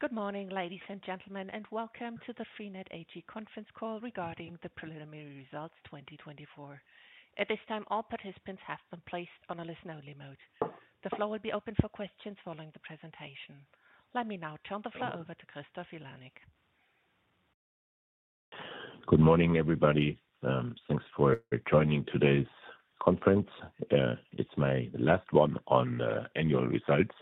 Good morning, ladies and gentlemen, and welcome to the freenet AG conference call regarding the preliminary results 2024. At this time, all participants have been placed on a listen-only mode. The floor will be open for questions following the presentation. Let me now turn the floor over to Christoph Vilanek. Good morning, everybody. Thanks for joining today's conference. It's my last one on annual results,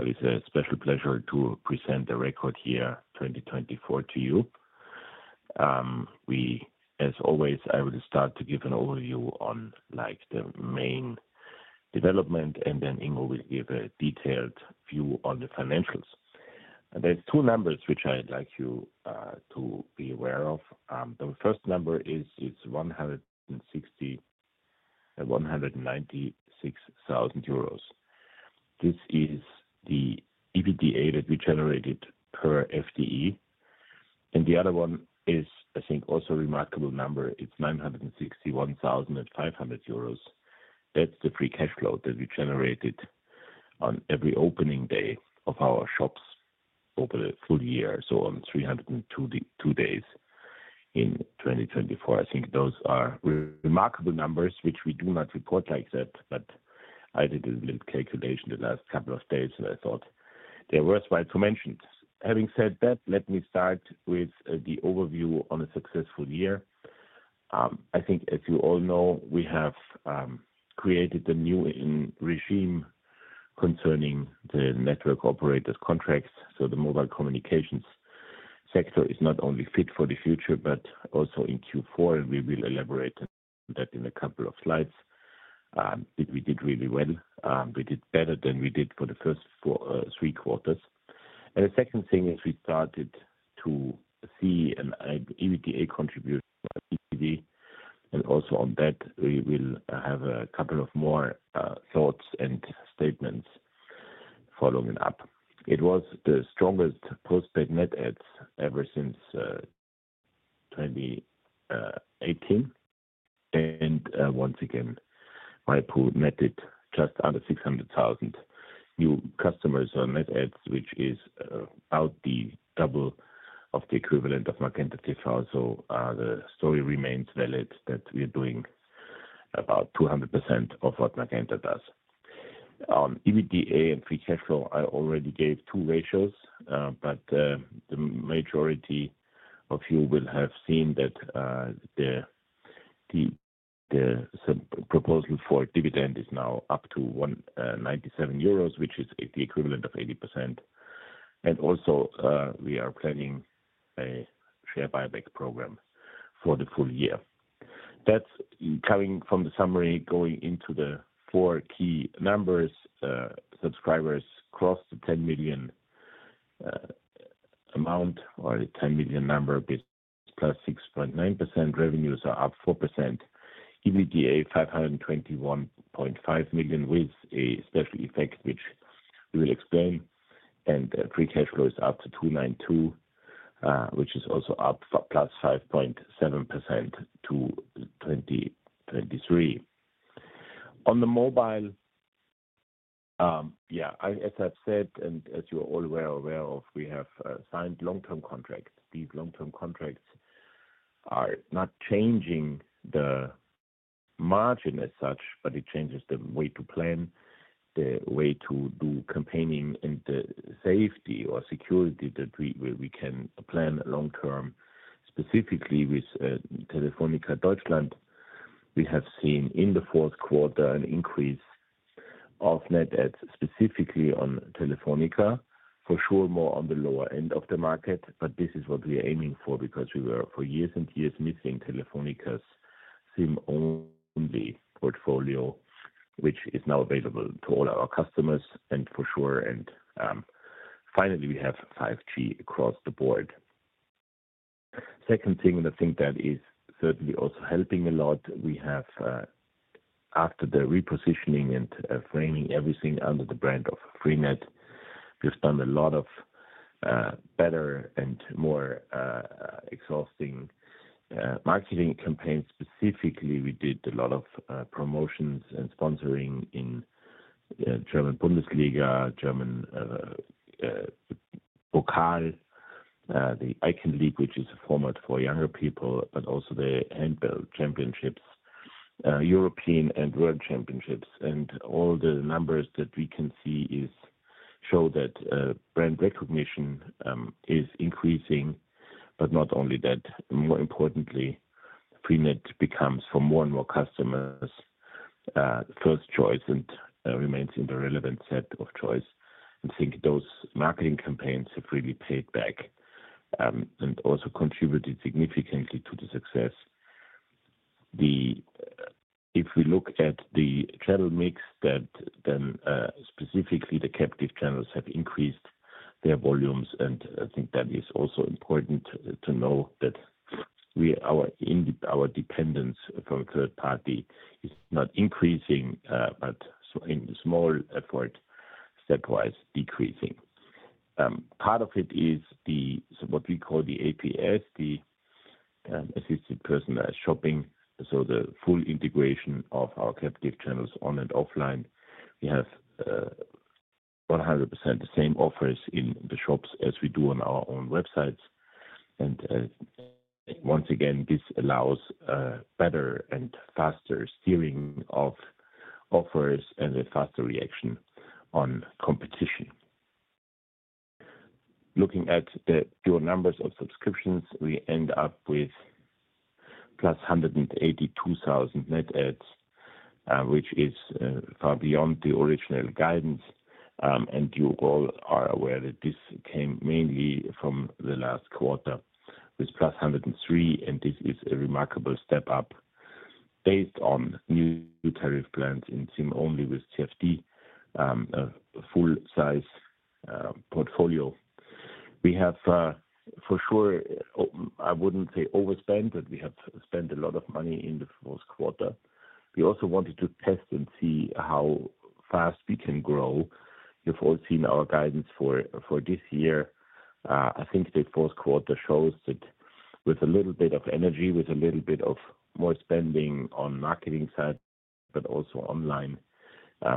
but it's a special pleasure to present the record year 2024 to you. As always, I will start to give an overview on the main development, and then Ingo will give a detailed view on the financials. There are two numbers which I'd like you to be aware of. The first number is 196,000 euros. This is the EBITDA that we generated per FTE. And the other one is, I think, also a remarkable number. It's 961,500 euros. That's the free cash flow that we generated on every opening day of our shops over the full year, so on 302 days in 2024. I think those are remarkable numbers, which we do not report like that, but I did a little calculation the last couple of days, and I thought they're worthwhile to mention. Having said that, let me start with the overview on a successful year. I think, as you all know, we have created a new regime concerning the network operators' contracts, so the mobile communications sector is not only fit for the future, but also in Q4, and we will elaborate on that in a couple of slides. We did really well. We did better than we did for the first three quarters, and the second thing is we started to see an EBITDA contribution by IPTV, and also on that, we will have a couple of more thoughts and statements following up. It was the strongest postpaid net adds ever since 2018, and once again, waipu.tv netted just under 600,000 new customers on net adds, which is about the double of the equivalent of MagentaTV. The story remains valid that we are doing about 200% of what Magenta does. On EBITDA and free cash flow, I already gave two ratios, but the majority of you will have seen that the proposal for dividend is now up to 197 euros, which is the equivalent of 80%. And also, we are planning a share buyback program for the full year. That's coming from the summary going into the four key numbers. Subscribers crossed the 10 million amount or the 10 million number, +6.9%. Revenues are up 4%. EBITDA 521.5 million with a special effect, which we will explain. And free cash flow is up to 292, which is also up plus 5.7% to 2023. On the mobile, yeah, as I've said, and as you all are aware of, we have signed long-term contracts. These long-term contracts are not changing the margin as such, but it changes the way to plan, the way to do campaigning, and the safety or security that we can plan long-term. Specifically with Telefónica Deutschland, we have seen in the fourth quarter an increase of net adds, specifically on Telefónica. For sure, more on the lower end of the market, but this is what we are aiming for because we were for years and years missing Telefónica's SIM-only portfolio, which is now available to all our customers, and for sure. Finally, we have 5G across the board. Second thing, and I think that is certainly also helping a lot, we have, after the repositioning and framing everything under the brand of freenet, we've done a lot of better and more exhausting marketing campaigns. Specifically, we did a lot of promotions and sponsoring in German Bundesliga, German Pokal, the Icon League, which is a format for younger people, but also the handball championships, European and world championships, and all the numbers that we can see show that brand recognition is increasing, but not only that, more importantly, freenet becomes for more and more customers first choice and remains in the relevant set of choice. I think those marketing campaigns have really paid back and also contributed significantly to the success. If we look at the channel mix, then specifically the captive channels have increased their volumes, and I think that is also important to know that our dependence from third party is not increasing, but in small effort, stepwise decreasing. Part of it is what we call the APS, the Assisted Personalized Shopping, so the full integration of our captive channels on and offline. We have 100% the same offers in the shops as we do on our own websites, and once again, this allows better and faster steering of offers and a faster reaction on competition. Looking at the pure numbers of subscriptions, we end up with +182,000 net adds, which is far beyond the original guidance, and you all are aware that this came mainly from the last quarter with +103,000, and this is a remarkable step up based on new tariff plans in SIM-only with TfD, a full-size portfolio. We have, for sure, I wouldn't say overspent, but we have spent a lot of money in the fourth quarter. We also wanted to test and see how fast we can grow. You've all seen our guidance for this year. I think the fourth quarter shows that with a little bit of energy, with a little bit of more spending on the marketing side, but also online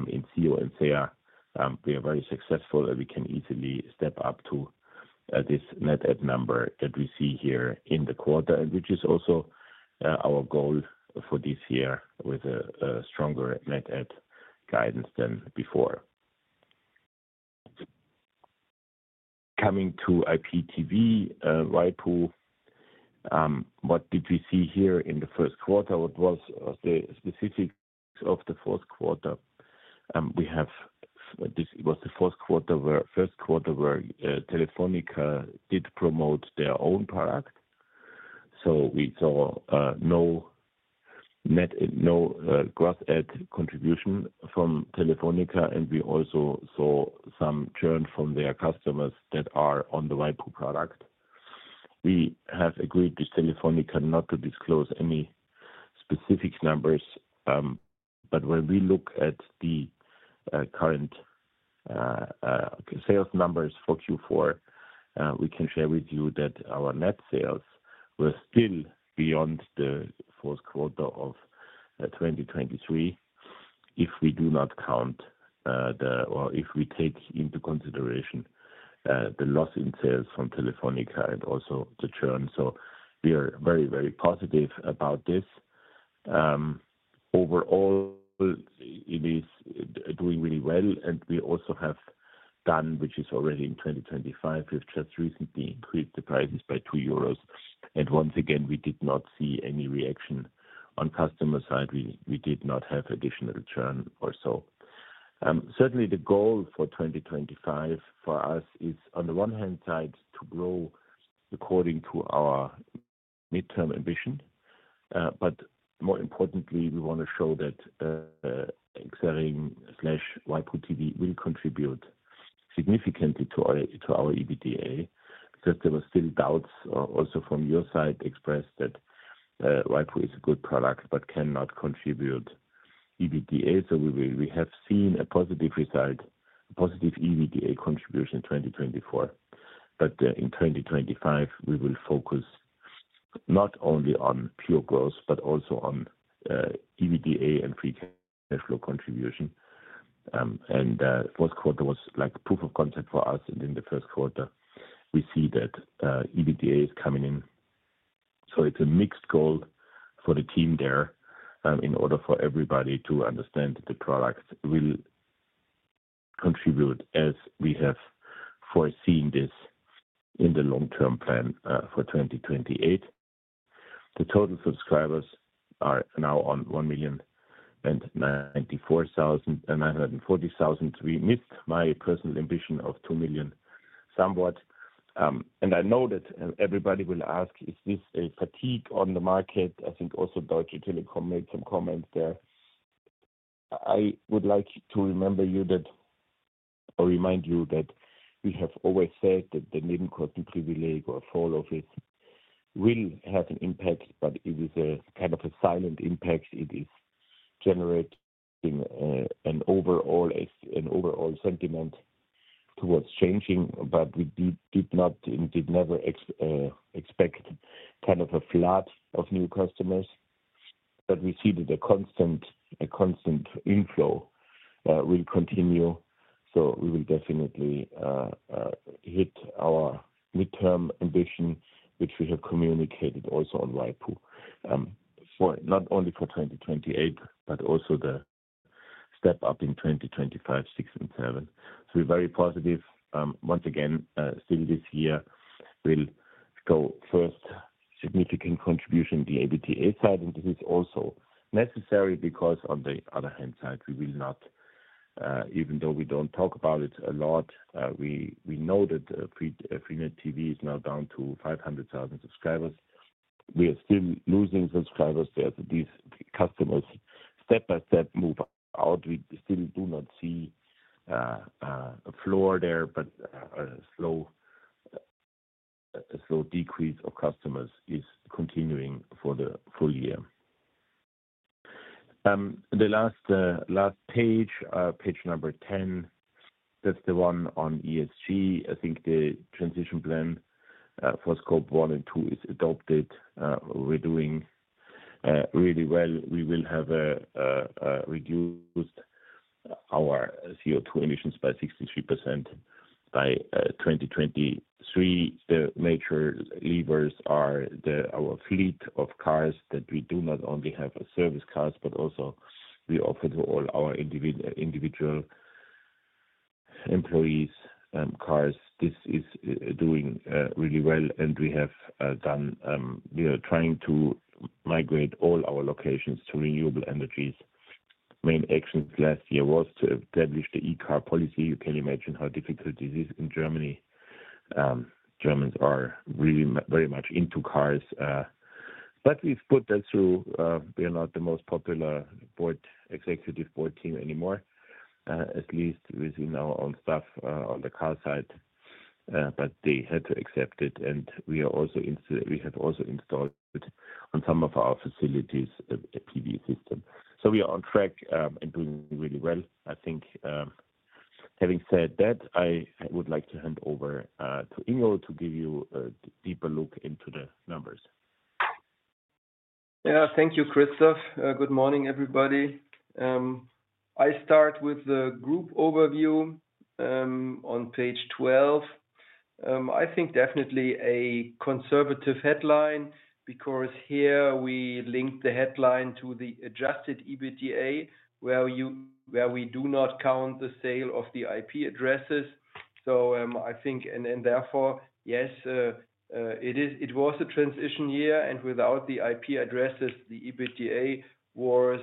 in SEO and SEA, we are very successful that we can easily step up to this net add number that we see here in the quarter, which is also our goal for this year with a stronger net add guidance than before. Coming to IPTV, waipu, what did we see here in the first quarter? What was the specifics of the fourth quarter? It was the first quarter where Telefónica did promote their own product. So we saw no gross add contribution from Telefónica, and we also saw some churn from their customers that are on the waipu product. We have agreed with Telefónica not to disclose any specific numbers, but when we look at the current sales numbers for Q4, we can share with you that our net sales were still beyond the fourth quarter of 2023 if we do not count or if we take into consideration the loss in sales from Telefónica and also the churn. So we are very, very positive about this. Overall, it is doing really well, and we also have done, which is already in 2025. We've just recently increased the prices by 2 euros. And once again, we did not see any reaction on the customer side. We did not have additional churn or so. Certainly, the goal for 2025 for us is, on the one hand side, to grow according to our midterm ambition. But more importantly, we want to show that Exaring/waipu.tv will contribute significantly to our EBITDA because there were still doubts also from your side expressed that waipu is a good product but cannot contribute EBITDA. So we have seen a positive result, a positive EBITDA contribution in 2024. But in 2025, we will focus not only on pure growth, but also on EBITDA and free cash flow contribution. And the fourth quarter was like proof of concept for us. And in the first quarter, we see that EBITDA is coming in. So it's a mixed goal for the team there in order for everybody to understand that the product will contribute as we have foreseen this in the long-term plan for 2028. The total subscribers are now on 1,940,000. We missed my personal ambition of 2 million somewhat. I know that everybody will ask, is this a fatigue on the market? I think also Deutsche Telekom made some comments there. I would like to remind you that we have always said that the Nebenkostenprivileg or fall off will have an impact, but it is a kind of a silent impact. It is generating an overall sentiment towards changing, but we did not and did never expect kind of a flood of new customers. We see that the constant inflow will continue, so we will definitely hit our midterm ambition, which we have communicated also on waipu, not only for 2028, but also the step up in 2025, 2026, and 2027. We're very positive. Once again, still this year, we'll go first. Significant contribution on the EBITDA side. And this is also necessary because on the other hand side, we will not, even though we don't talk about it a lot, we know that freenet TV is now down to 500,000 subscribers. We are still losing subscribers there. So these customers step by step move out. We still do not see a floor there, but a slow decrease of customers is continuing for the full year. The last page, page number 10, that's the one on ESG. I think the transition plan for Scope 1 and 2 is adopted. We're doing really well. We will have reduced our CO2 emissions by 63% by 2023. The major levers are our fleet of cars that we do not only have service cars, but also we offer to all our individual employees cars. This is doing really well, and we are trying to migrate all our locations to renewable energies. Main actions last year was to establish the e-car policy. You can imagine how difficult this is in Germany. Germans are really very much into cars. But we've put that through. We are not the most popular executive board team anymore, at least within our own staff on the car side. But they had to accept it. We have also installed on some of our facilities a PV system. So we are on track and doing really well. I think having said that, I would like to hand over to Ingo to give you a deeper look into the numbers. Yeah, thank you, Christoph. Good morning, everybody. I start with the group overview on Page 12. I think definitely a conservative headline because here we link the headline to the adjusted EBITDA, where we do not count the sale of the IP addresses, so I think, and therefore, yes, it was a transition year and without the IP addresses, the EBITDA was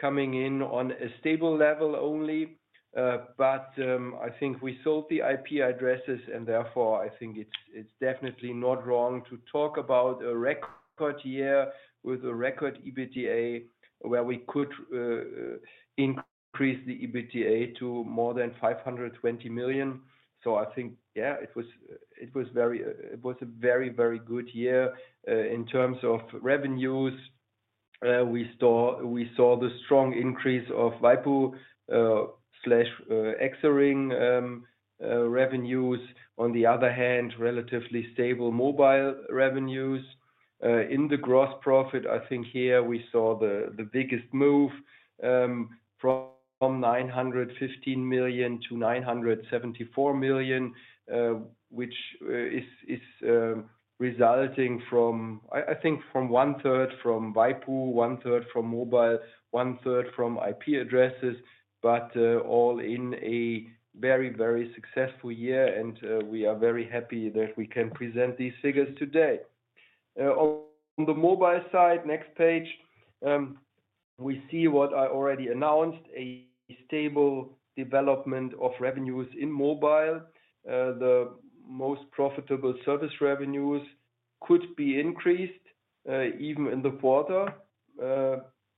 coming in on a stable level only, but I think we sold the IP addresses, and therefore, I think it's definitely not wrong to talk about a record year with a record EBITDA where we could increase the EBITDA to more than 520 million, so I think, yeah, it was a very, very good year in terms of revenues. We saw the strong increase of waipu/Exaring revenues. On the other hand, relatively stable mobile revenues. In the gross profit, I think here we saw the biggest move from 915 million-974 million, which is resulting from, I think, from one-third from waipu, one-third from mobile, one-third from IP addresses, but all in a very, very successful year, and we are very happy that we can present these figures today. On the mobile side, next page, we see what I already announced, a stable development of revenues in mobile. The most profitable service revenues could be increased even in the quarter,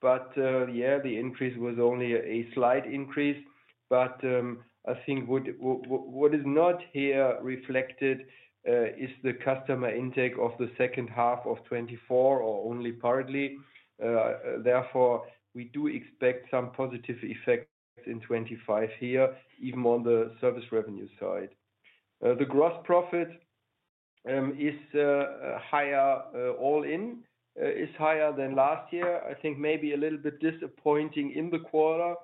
but yeah, the increase was only a slight increase, but I think what is not here reflected is the customer intake of the second half of 2024 or only partly. Therefore, we do expect some positive effects in 2025 here, even on the service revenue side. The gross profit is higher all in, is higher than last year. I think maybe a little bit disappointing in the quarter.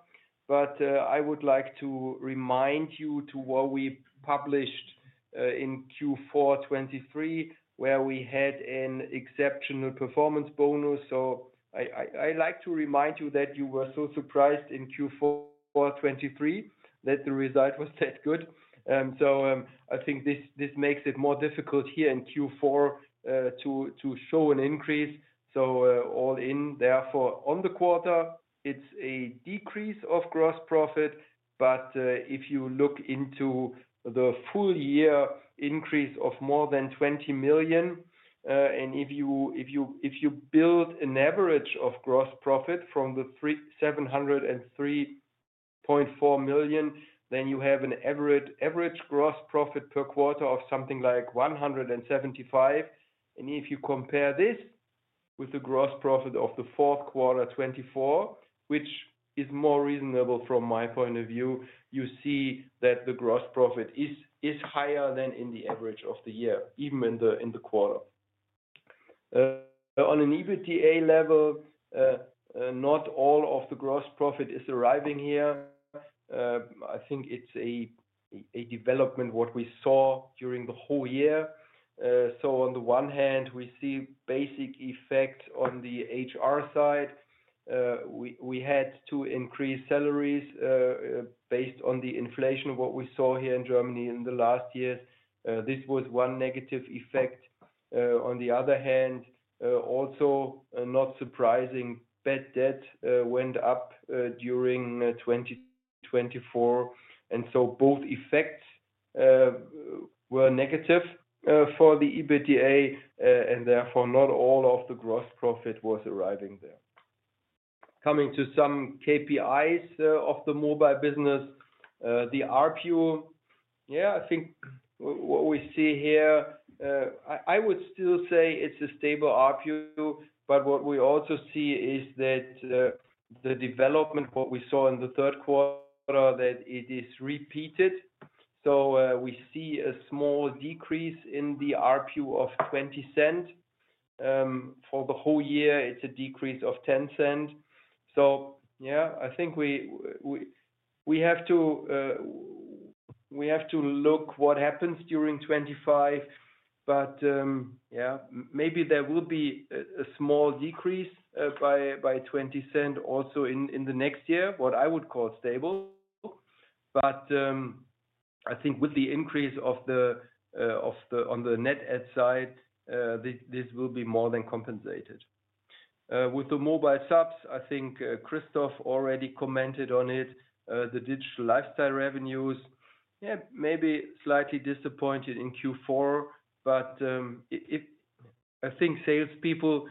But I would like to remind you to what we published in Q4 2023, where we had an exceptional performance bonus. So I like to remind you that you were so surprised in Q4 2023 that the result was that good. So I think this makes it more difficult here in Q4 to show an increase. So all in, therefore, on the quarter, it's a decrease of gross profit. But if you look into the full year increase of more than 20 million, and if you build an average of gross profit from the 703.4 million, then you have an average gross profit per quarter of something like 175. If you compare this with the gross profit of the fourth quarter 2024, which is more reasonable from my point of view, you see that the gross profit is higher than in the average of the year, even in the quarter. On an EBITDA level, not all of the gross profit is arriving here. I think it's a development what we saw during the whole year. On the one hand, we see basic effects on the HR side. We had to increase salaries based on the inflation, what we saw here in Germany in the last years. This was one negative effect. On the other hand, also not surprising, bad debt went up during 2024. Both effects were negative for the EBITDA, and therefore not all of the gross profit was arriving there. Coming to some KPIs of the mobile business, the ARPU, yeah, I think what we see here, I would still say it's a stable ARPU. But what we also see is that the development, what we saw in the third quarter, that it is repeated. So we see a small decrease in the ARPU of 0.20. For the whole year, it's a decrease of 0.10. So yeah, I think we have to look what happens during 2025. But yeah, maybe there will be a small decrease by 0.20 also in the next year, what I would call stable. But I think with the increase of the net add side, this will be more than compensated. With the mobile subs, I think Christoph already commented on it, the digital lifestyle revenues, yeah, maybe slightly disappointed in Q4. But I think salespeople,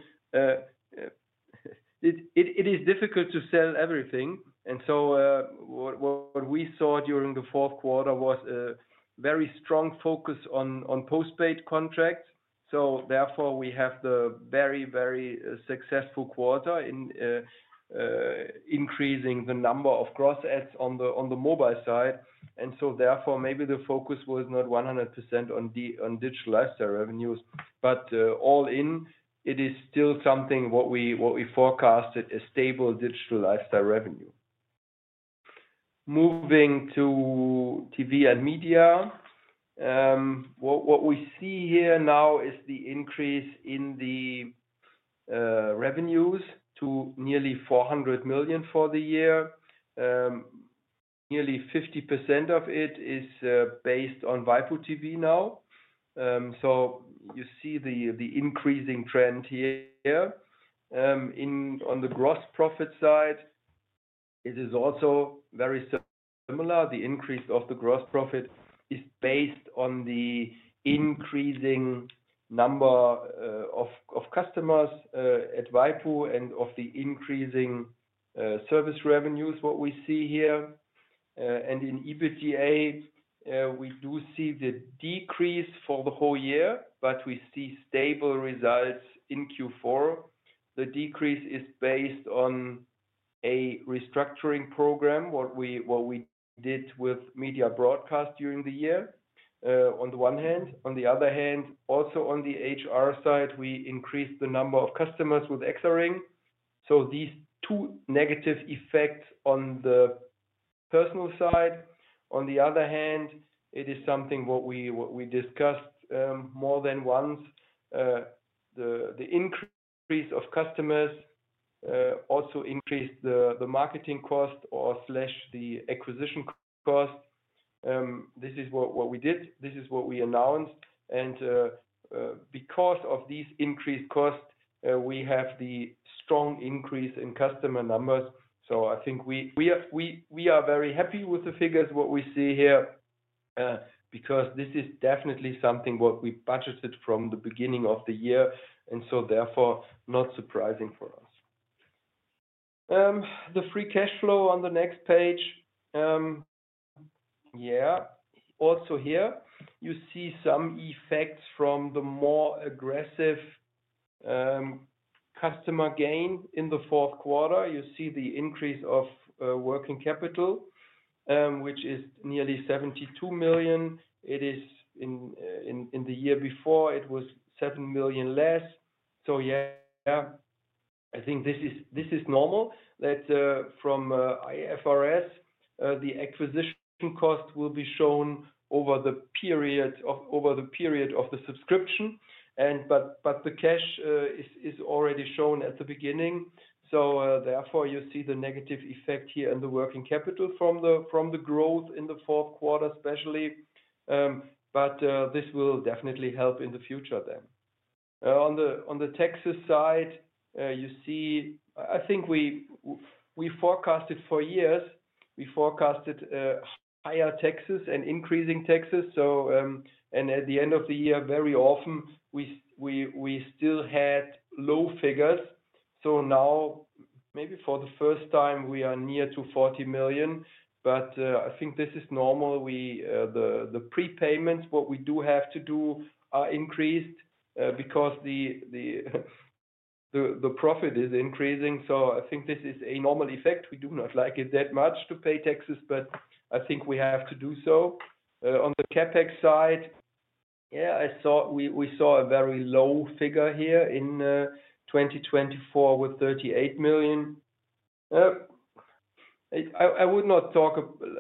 it is difficult to sell everything. And so what we saw during the fourth quarter was a very strong focus on postpaid contracts. So therefore, we have the very, very successful quarter in increasing the number of gross adds on the mobile side. And so therefore, maybe the focus was not 100% on digital lifestyle revenues. But all in, it is still something what we forecasted a stable digital lifestyle revenue. Moving to TV and media, what we see here now is the increase in the revenues to nearly 400 million for the year. Nearly 50% of it is based on waipu.tv now. So you see the increasing trend here. On the gross profit side, it is also very similar. The increase of the gross profit is based on the increasing number of customers at waipu and of the increasing service revenues what we see here. And in EBITDA, we do see the decrease for the whole year, but we see stable results in Q4. The decrease is based on a restructuring program, what we did with Media Broadcast during the year on the one hand. On the other hand, also on the HR side, we increased the number of customers with Exaring. So these two negative effects on the personnel side. On the other hand, it is something what we discussed more than once. The increase of customers also increased the marketing cost or slash the acquisition cost. This is what we did. This is what we announced. And because of these increased costs, we have the strong increase in customer numbers. So I think we are very happy with the figures what we see here because this is definitely something what we budgeted from the beginning of the year. And so therefore, not surprising for us. The free cash flow on the next page. Yeah. Also here, you see some effects from the more aggressive customer gain in the fourth quarter. You see the increase of working capital, which is nearly 72 million. It is. In the year before, it was 7 million less. So yeah, I think this is normal that from IFRS, the acquisition cost will be shown over the period of the subscription. But the cash is already shown at the beginning. So therefore, you see the negative effect here in the working capital from the growth in the fourth quarter especially. But this will definitely help in the future then. On the taxes side, you see. I think we forecasted for years, we forecasted higher taxes and increasing taxes. And at the end of the year, very often, we still had low figures. So now, maybe for the first time, we are near to 40 million. But I think this is normal. The prepayments what we do have to do are increased because the profit is increasing. So I think this is a normal effect. We do not like it that much to pay taxes, but I think we have to do so. On the CapEx side, yeah, we saw a very low figure here in 2024 with 38 million. I would not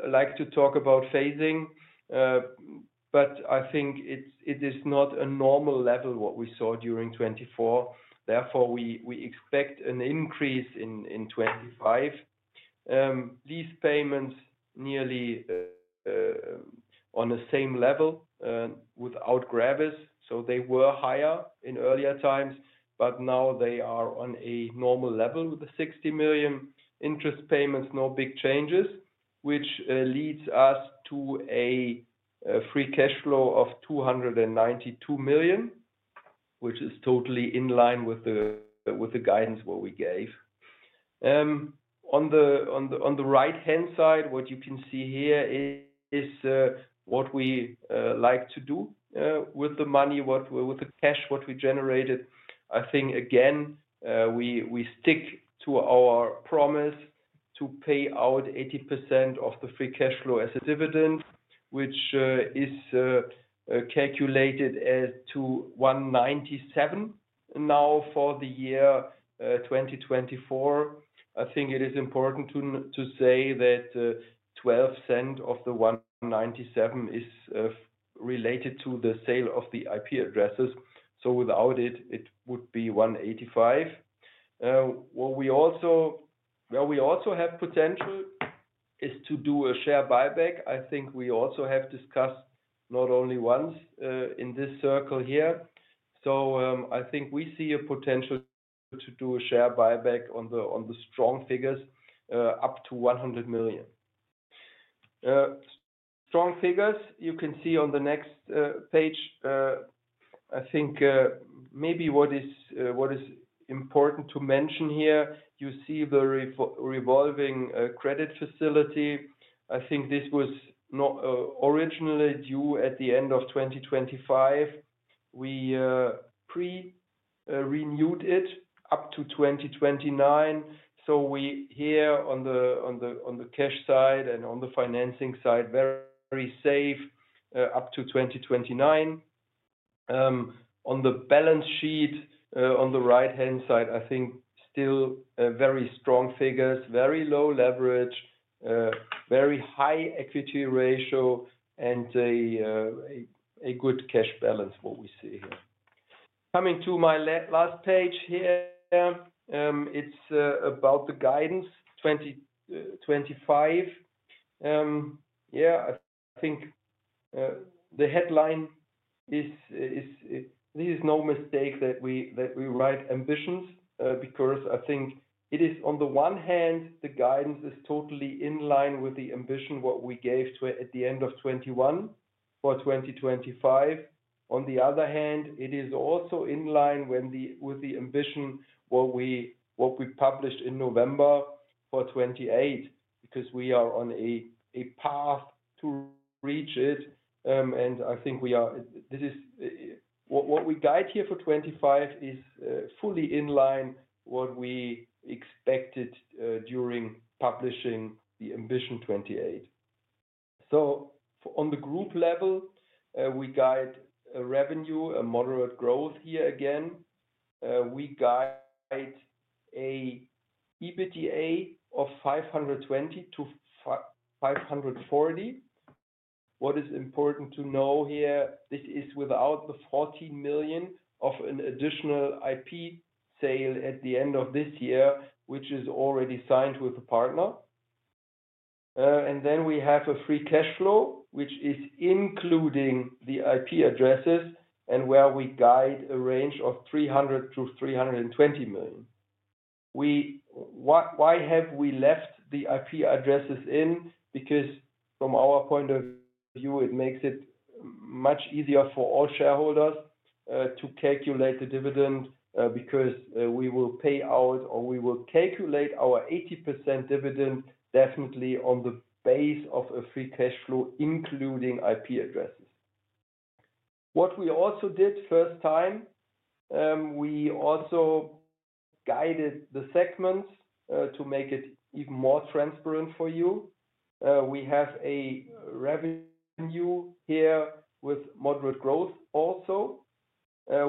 like to talk about phasing, but I think it is not a normal level what we saw during 2024. Therefore, we expect an increase in 2025. Lease payments nearly on the same level without GRAVIS. They were higher in earlier times, but now they are on a normal level with the 60 million interest payments, no big changes, which leads us to a free cash flow of 292 million, which is totally in line with the guidance what we gave. On the right-hand side, what you can see here is what we like to do with the money, with the cash what we generated. I think, again, we stick to our promise to pay out 80% of the free cash flow as a dividend, which is calculated as 1.97 now for the year 2024. I think it is important to say that 0.12 of the 1.97 is related to the sale of the IP addresses. So without it, it would be 1.85. What we also have potential is to do a share buyback. I think we also have discussed not only once in this circle here. So I think we see a potential to do a share buyback on the strong figures up to 100 million. Strong figures, you can see on the next page. I think maybe what is important to mention here, you see the revolving credit facility. I think this was originally due at the end of 2025. We pre-renewed it up to 2029. So we here on the cash side and on the financing side, very safe up to 2029. On the balance sheet on the right-hand side, I think still very strong figures, very low leverage, very high equity ratio, and a good cash balance what we see here. Coming to my last page here, it's about the guidance 2025. Yeah, I think the headline is, this is no mistake that we write ambitions because I think it is on the one hand, the guidance is totally in line with the ambition what we gave to it at the end of 2021 for 2025. On the other hand, it is also in line with the ambition what we published in November for 2028 because we are on a path to reach it. And I think this is what we guide here for 2025 is fully in line what we expected during publishing the ambition 2028. So on the group level, we guide revenue, a moderate growth here again. We guide an EBITDA of 520 million-540 million. What is important to know here, this is without the 14 million of an additional IP sale at the end of this year, which is already signed with a partner. And then we have a free cash flow, which is including the IP addresses and where we guide a range of 300 million-320 million. Why have we left the IP addresses in? Because from our point of view, it makes it much easier for all shareholders to calculate the dividend because we will pay out or we will calculate our 80% dividend definitely on the base of a free cash flow including IP addresses. What we also did first time, we also guided the segments to make it even more transparent for you. We have a revenue here with moderate growth also.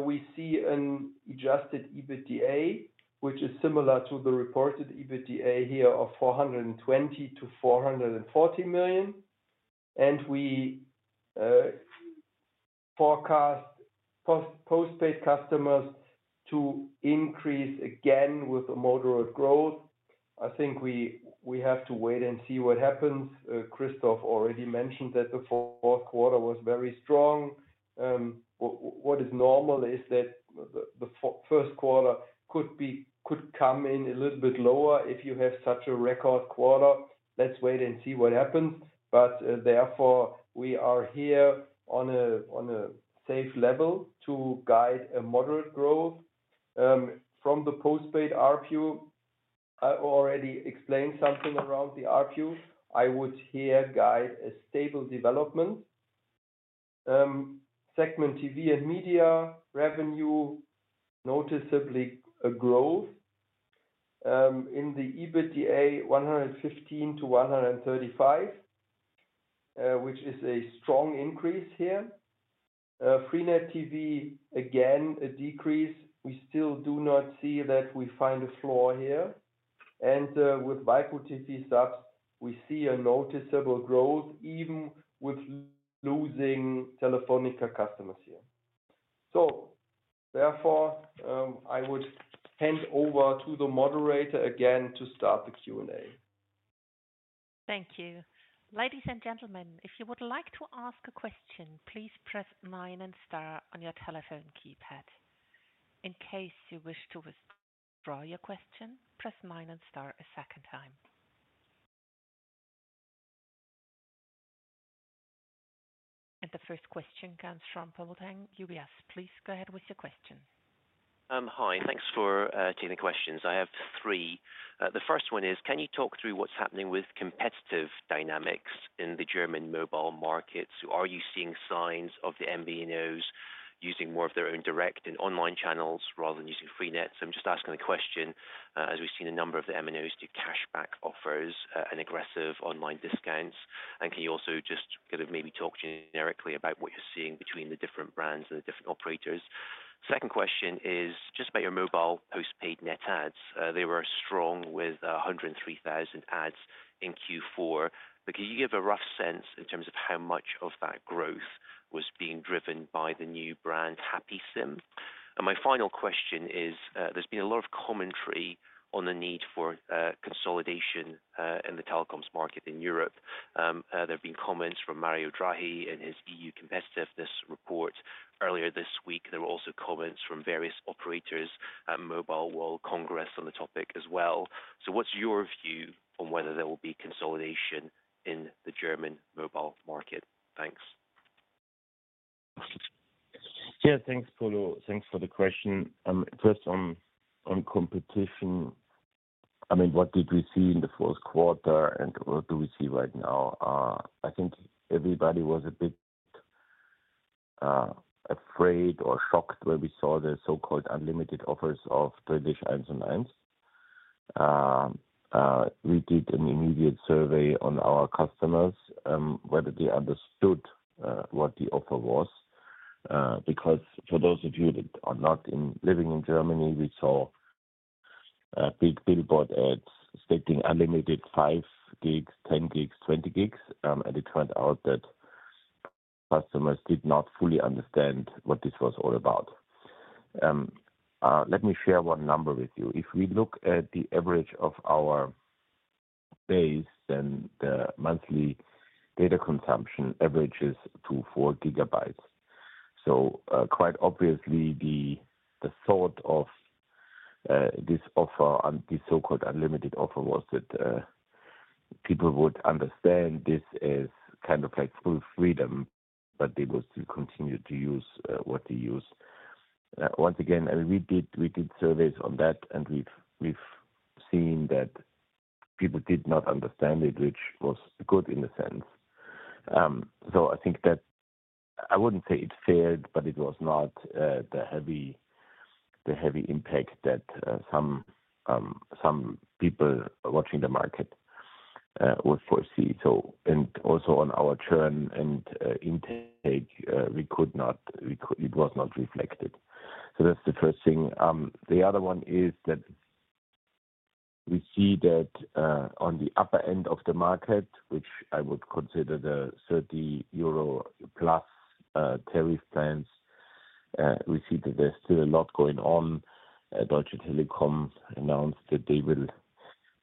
We see an adjusted EBITDA, which is similar to the reported EBITDA here of 420 million-440 million. And we forecast postpaid customers to increase again with a moderate growth. I think we have to wait and see what happens. Christoph already mentioned that the fourth quarter was very strong. What is normal is that the first quarter could come in a little bit lower if you have such a record quarter. Let's wait and see what happens. But therefore, we are here on a safe level to guide a moderate growth. From the postpaid RPU, I already explained something around the RPU. I would here guide a stable development. Segment TV and media revenue, noticeably a growth. In the EBITDA, 115-135, which is a strong increase here. freenet TV, again, a decrease. We still do not see that we find a flaw here. And with waipu.tv subs, we see a noticeable growth even with losing Telefónica customers here. So therefore, I would hand over to the moderator again to start the Q&A. Thank you. Ladies and gentlemen, if you would like to ask a question, please press nine and star on your telephone keypad. In case you wish to withdraw your question, press nine and star a second time. And the first question comes from Polo Tang, UBS. Please go ahead with your question. Hi, thanks for taking the questions. I have three. The first one is, can you talk through what's happening with competitive dynamics in the German mobile markets? Are you seeing signs of the MNOs using more of their own direct and online channels rather than using freenet? So I'm just asking the question as we've seen a number of the MNOs do cashback offers and aggressive online discounts. And can you also just kind of maybe talk generically about what you're seeing between the different brands and the different operators? Second question is just about your mobile postpaid net adds. They were strong with 103,000 adds in Q4. But can you give a rough sense in terms of how much of that growth was being driven by the new brand HappySIM? And my final question is, there's been a lot of commentary on the need for consolidation in the telecoms market in Europe. There have been comments from Mario Draghi and his EU competitiveness report earlier this week. There were also comments from various operators at Mobile World Congress on the topic as well. So what's your view on whether there will be consolidation in the German mobile market? Thanks. Yeah, thanks, Polo. Thanks for the question. First, on competition, I mean, what did we see in the fourth quarter and what do we see right now? I think everybody was a bit afraid or shocked when we saw the so-called unlimited offers of 36.99. We did an immediate survey on our customers whether they understood what the offer was. Because for those of you that are not living in Germany, we saw big billboard ads stating unlimited 5 GB, 10 GB, 20 GB. And it turned out that customers did not fully understand what this was all about. Let me share one number with you. If we look at the average of our base, then the monthly data consumption averages to 4 GB. So quite obviously, the thought of this offer, the so-called unlimited offer, was that people would understand this as kind of like full freedom, but they will still continue to use what they use. Once again, I mean, we did surveys on that, and we've seen that people did not understand it, which was good in a sense. So I think that I wouldn't say it failed, but it was not the heavy impact that some people watching the market would foresee. And also on our churn and intake, it was not reflected. So that's the first thing. The other one is that we see that on the upper end of the market, which I would consider the 30+ euro tariff plans, we see that there's still a lot going on. Deutsche Telekom announced that they will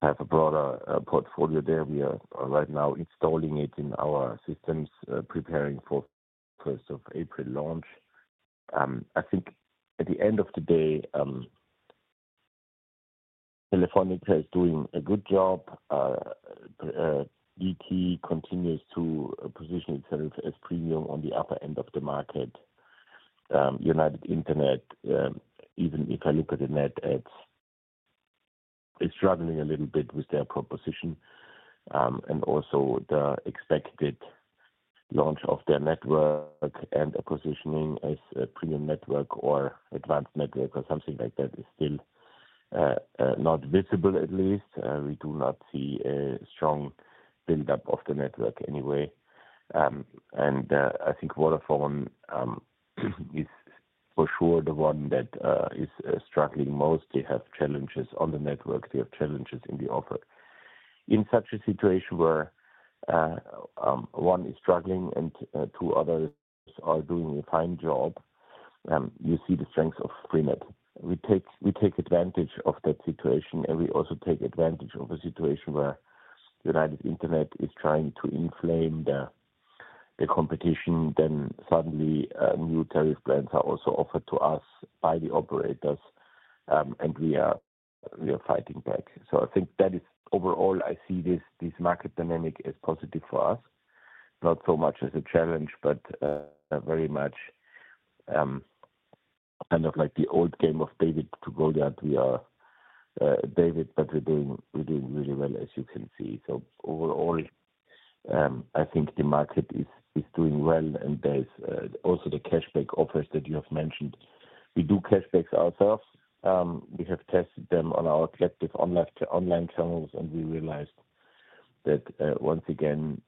have a broader portfolio there. We are right now installing it in our systems, preparing for first of April launch. I think at the end of the day, Telefónica is doing a good job. DT continues to position itself as premium on the upper end of the market. United Internet, even if I look at the net adds, is struggling a little bit with their proposition. And also the expected launch of their network and a positioning as a premium network or advanced network or something like that is still not visible at least. We do not see a strong buildup of the network anyway. And I think Vodafone is for sure the one that is struggling most. They have challenges on the network. They have challenges in the offer. In such a situation where one is struggling and two others are doing a fine job, you see the strengths of freenet. We take advantage of that situation, and we also take advantage of a situation where United Internet is trying to inflame the competition. Then suddenly, new tariff plans are also offered to us by the operators, and we are fighting back. So, I think that is overall. I see this market dynamic as positive for us, not so much as a challenge, but very much kind of like the old game of David to Goliath. We are David, but we're doing really well, as you can see. So overall, I think the market is doing well, and there's also the cashback offers that you have mentioned. We do cashbacks ourselves. We have tested them on our collective online channels, and we realized that once again,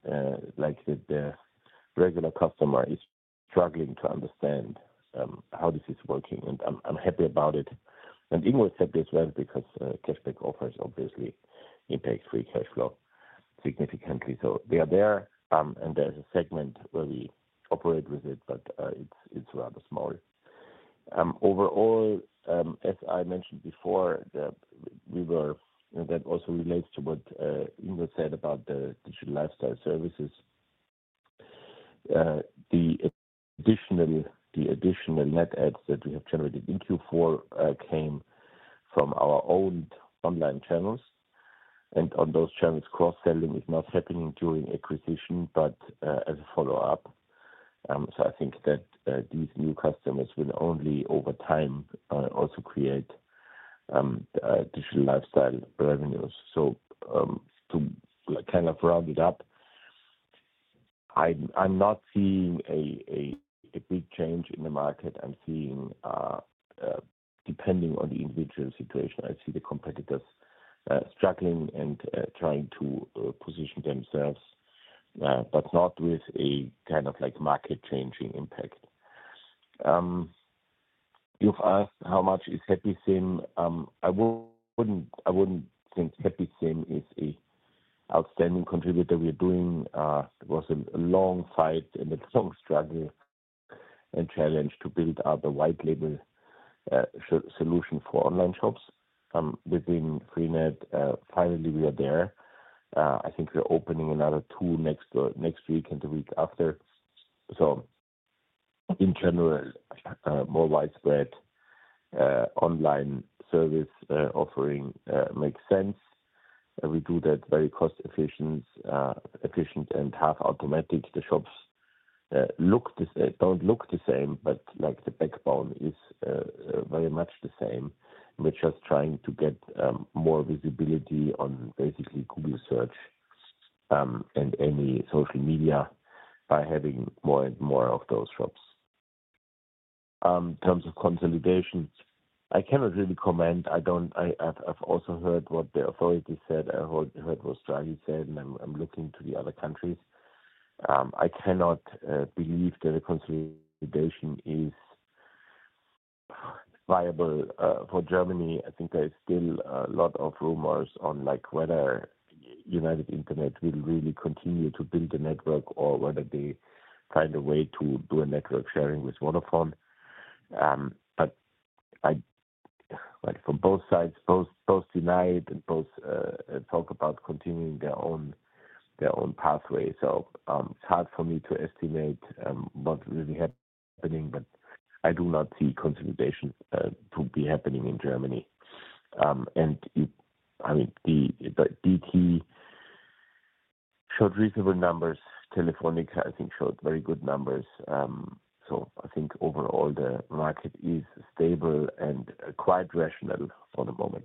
like the regular customer is struggling to understand how this is working. And I'm happy about it. And Ingo is happy as well because cashback offers obviously impact free cash flow significantly. So they are there, and there's a segment where we operate with it, but it's rather small. Overall, as I mentioned before, that also relates to what Ingo said about the digital lifestyle services. The additional net adds that we have generated in Q4 came from our own online channels. And on those channels, cross-selling is not happening during acquisition, but as a follow-up. So I think that these new customers will only over time also create digital lifestyle revenues. So to kind of round it up, I'm not seeing a big change in the market. I'm seeing, depending on the individual situation, I see the competitors struggling and trying to position themselves, but not with a kind of like market-changing impact. You've asked how much is HappySIM. I wouldn't think HappySIM is an outstanding contributor we are doing. It was a long fight and a long struggle and challenge to build out a white label solution for online shops. Within freenet, finally, we are there. I think we're opening another two next week and the week after. So in general, more widespread online service offering makes sense. We do that very cost-efficient and half automatic. The shops don't look the same, but the backbone is very much the same. We're just trying to get more visibility on basically Google search and any social media by having more and more of those shops. In terms of consolidation, I cannot really comment. I've also heard what the authorities said. I heard what Draghi said, and I'm looking to the other countries. I cannot believe that the consolidation is viable for Germany. I think there is still a lot of rumors on whether United Internet will really continue to build the network or whether they find a way to do a network sharing with Vodafone. But from both sides, both denied and both talk about continuing their own pathway. So it's hard for me to estimate what really happening, but I do not see consolidation to be happening in Germany. And I mean, DT showed reasonable numbers. Telefónica, I think, showed very good numbers. So I think overall, the market is stable and quite rational for the moment.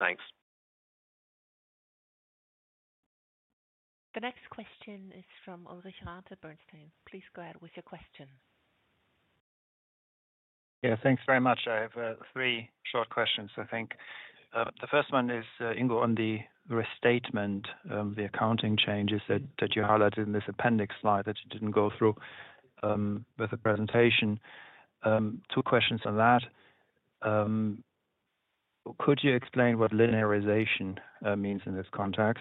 Thanks. The next question is from Ulrich Rathe, Bernstein. Please go ahead with your question. Yeah, thanks very much. I have three short questions, I think. The first one is, Ingo, on the restatement, the accounting changes that you highlighted in this appendix slide that you didn't go through with the presentation. Two questions on that. Could you explain what linearization means in this context?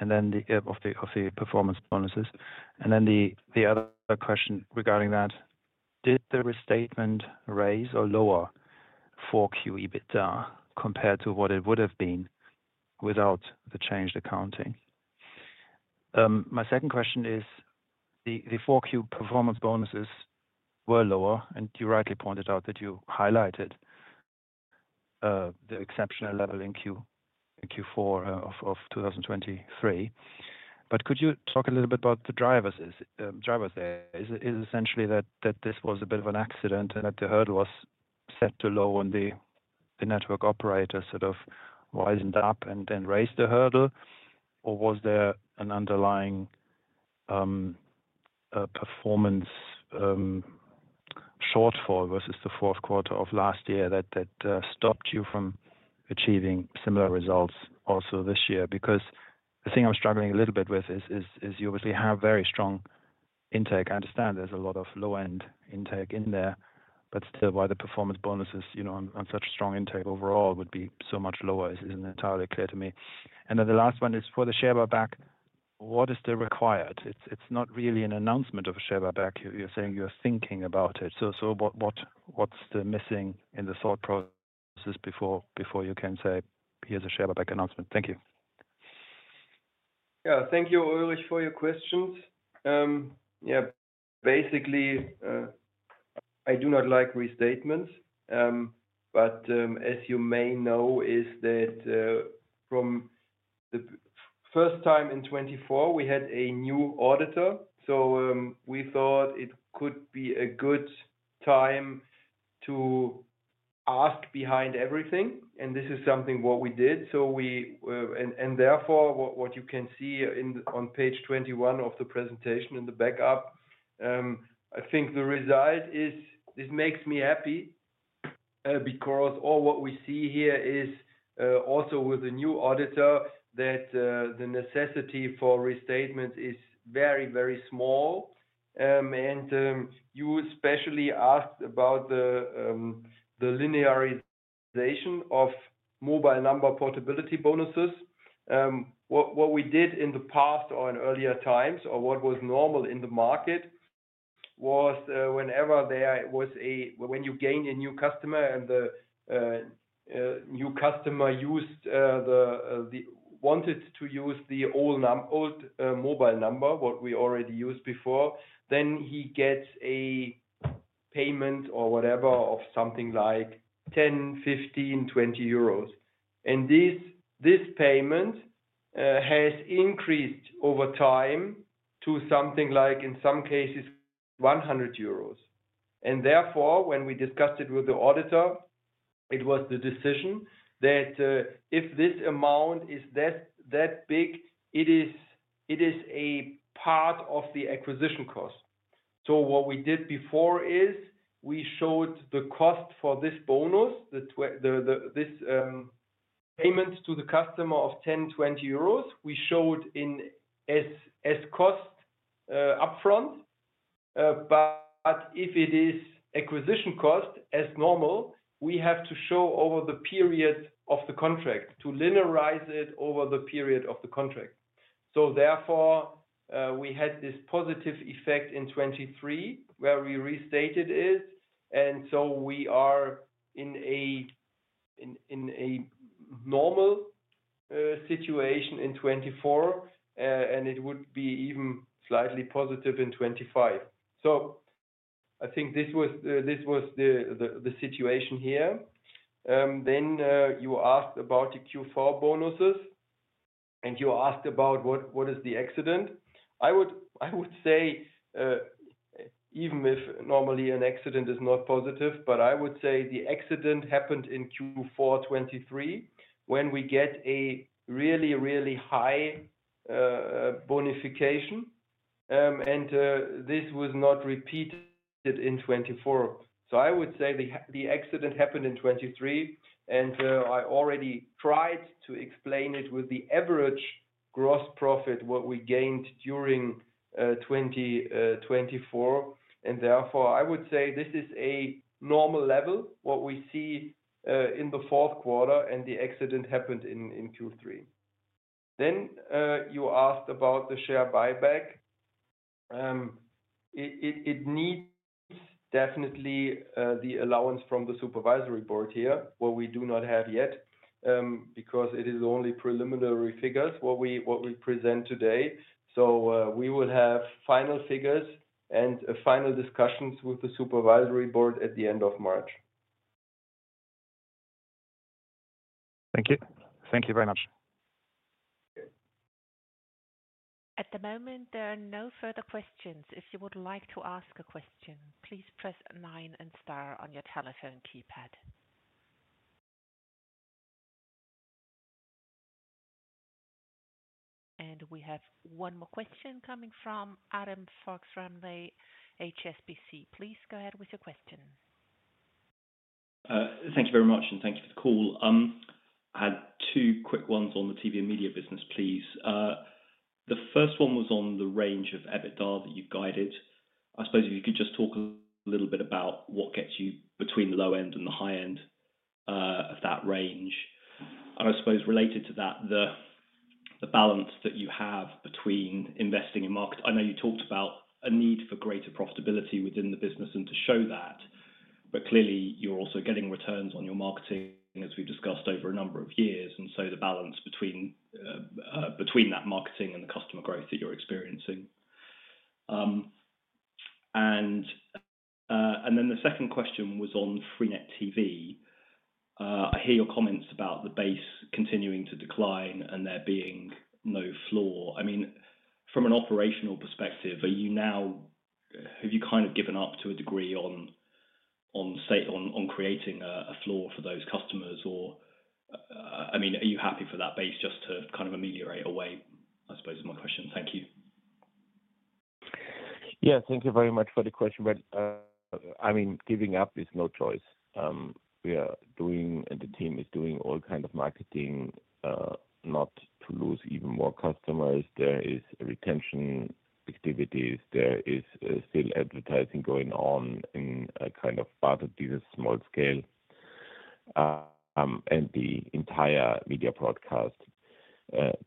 And then the performance bonuses. Then the other question regarding that: Did the restatement raise or lower 4Q EBITDA compared to what it would have been without the changed accounting? My second question is, the 4Q performance bonuses were lower, and you rightly pointed out that you highlighted the exceptional level in Q4 of 2023. But could you talk a little bit about the drivers there? Is it essentially that this was a bit of an accident and that the hurdle was set too low and the network operator sort of widened up and then raised the hurdle? Or was there an underlying performance shortfall versus the fourth quarter of last year that stopped you from achieving similar results also this year? Because the thing I'm struggling a little bit with is you obviously have very strong intake. I understand there's a lot of low-end intake in there, but still, why the performance bonuses on such strong intake overall would be so much lower isn't entirely clear to me. And then the last one is for the share buyback, what is still required? It's not really an announcement of a share buyback. You're saying you're thinking about it. So what's still missing in the thought process before you can say, "Here's a share buyback announcement"? Thank you. Yeah, thank you, Ulrich, for your questions. Yeah, basically, I do not like restatements. But as you may know, is that from the first time in 2024, we had a new auditor. So we thought it could be a good time to ask behind everything. And this is something what we did. And therefore, what you can see on page 21 of the presentation in the backup, I think the result is this makes me happy because all what we see here is also with a new auditor that the necessity for restatements is very, very small. And you especially asked about the linearization of mobile number portability bonuses. What we did in the past or in earlier times or what was normal in the market was whenever there was, when you gain a new customer and the new customer wanted to use the old mobile number, what we already used before, then he gets a payment or whatever of something like 10 euros, 15 euros, 20 euros. And this payment has increased over time to something like, in some cases, 100 euros. Therefore, when we discussed it with the auditor, it was the decision that if this amount is that big, it is a part of the acquisition cost. So what we did before is we showed the cost for this bonus, this payment to the customer of 10-20 euros. We showed it as cost upfront. But if it is acquisition cost as normal, we have to show over the period of the contract to linearize it over the period of the contract. So therefore, we had this positive effect in 2023 where we restated it. And so we are in a normal situation in 2024, and it would be even slightly positive in 2025. So I think this was the situation here. Then you asked about the Q4 bonuses, and you asked about what is the accident. I would say, even if normally an accident is not positive, but I would say the accident happened in Q4 2023 when we get a really, really high bonification. And this was not repeated in 2024. So I would say the accident happened in 2023, and I already tried to explain it with the average gross profit what we gained during 2024. And therefore, I would say this is a normal level what we see in the fourth quarter, and the accident happened in Q3. Then you asked about the share buyback. It needs definitely the allowance from the supervisory board here, what we do not have yet because it is only preliminary figures what we present today. So we will have final figures and final discussions with the supervisory board at the end of March. Thank you. Thank you very much. At the moment, there are no further questions. If you would like to ask a question, please press nine and star on your telephone keypad. And we have one more question coming from Adam Fox-Rumley, HSBC. Please go ahead with your question. Thank you very much, and thank you for the call. I had two quick ones on the TV and media business, please. The first one was on the range of EBITDA that you guided. I suppose if you could just talk a little bit about what gets you between the low end and the high end of that range. And I suppose related to that, the balance that you have between investing in marketing. I know you talked about a need for greater profitability within the business and to show that, but clearly, you're also getting returns on your marketing, as we've discussed, over a number of years. And so the balance between that marketing and the customer growth that you're experiencing. And then the second question was on freenet TV. I hear your comments about the base continuing to decline and there being no floor. I mean, from an operational perspective, have you kind of given up to a degree on creating a floor for those customers? Or I mean, are you happy for that base just to kind of melt away? I suppose is my question. Thank you. Yeah, thank you very much for the question, but I mean, giving up is no choice. The team is doing all kinds of marketing not to lose even more customers. There is retention activities. There is still advertising going on in kind of part of this small scale. The entire media broadcast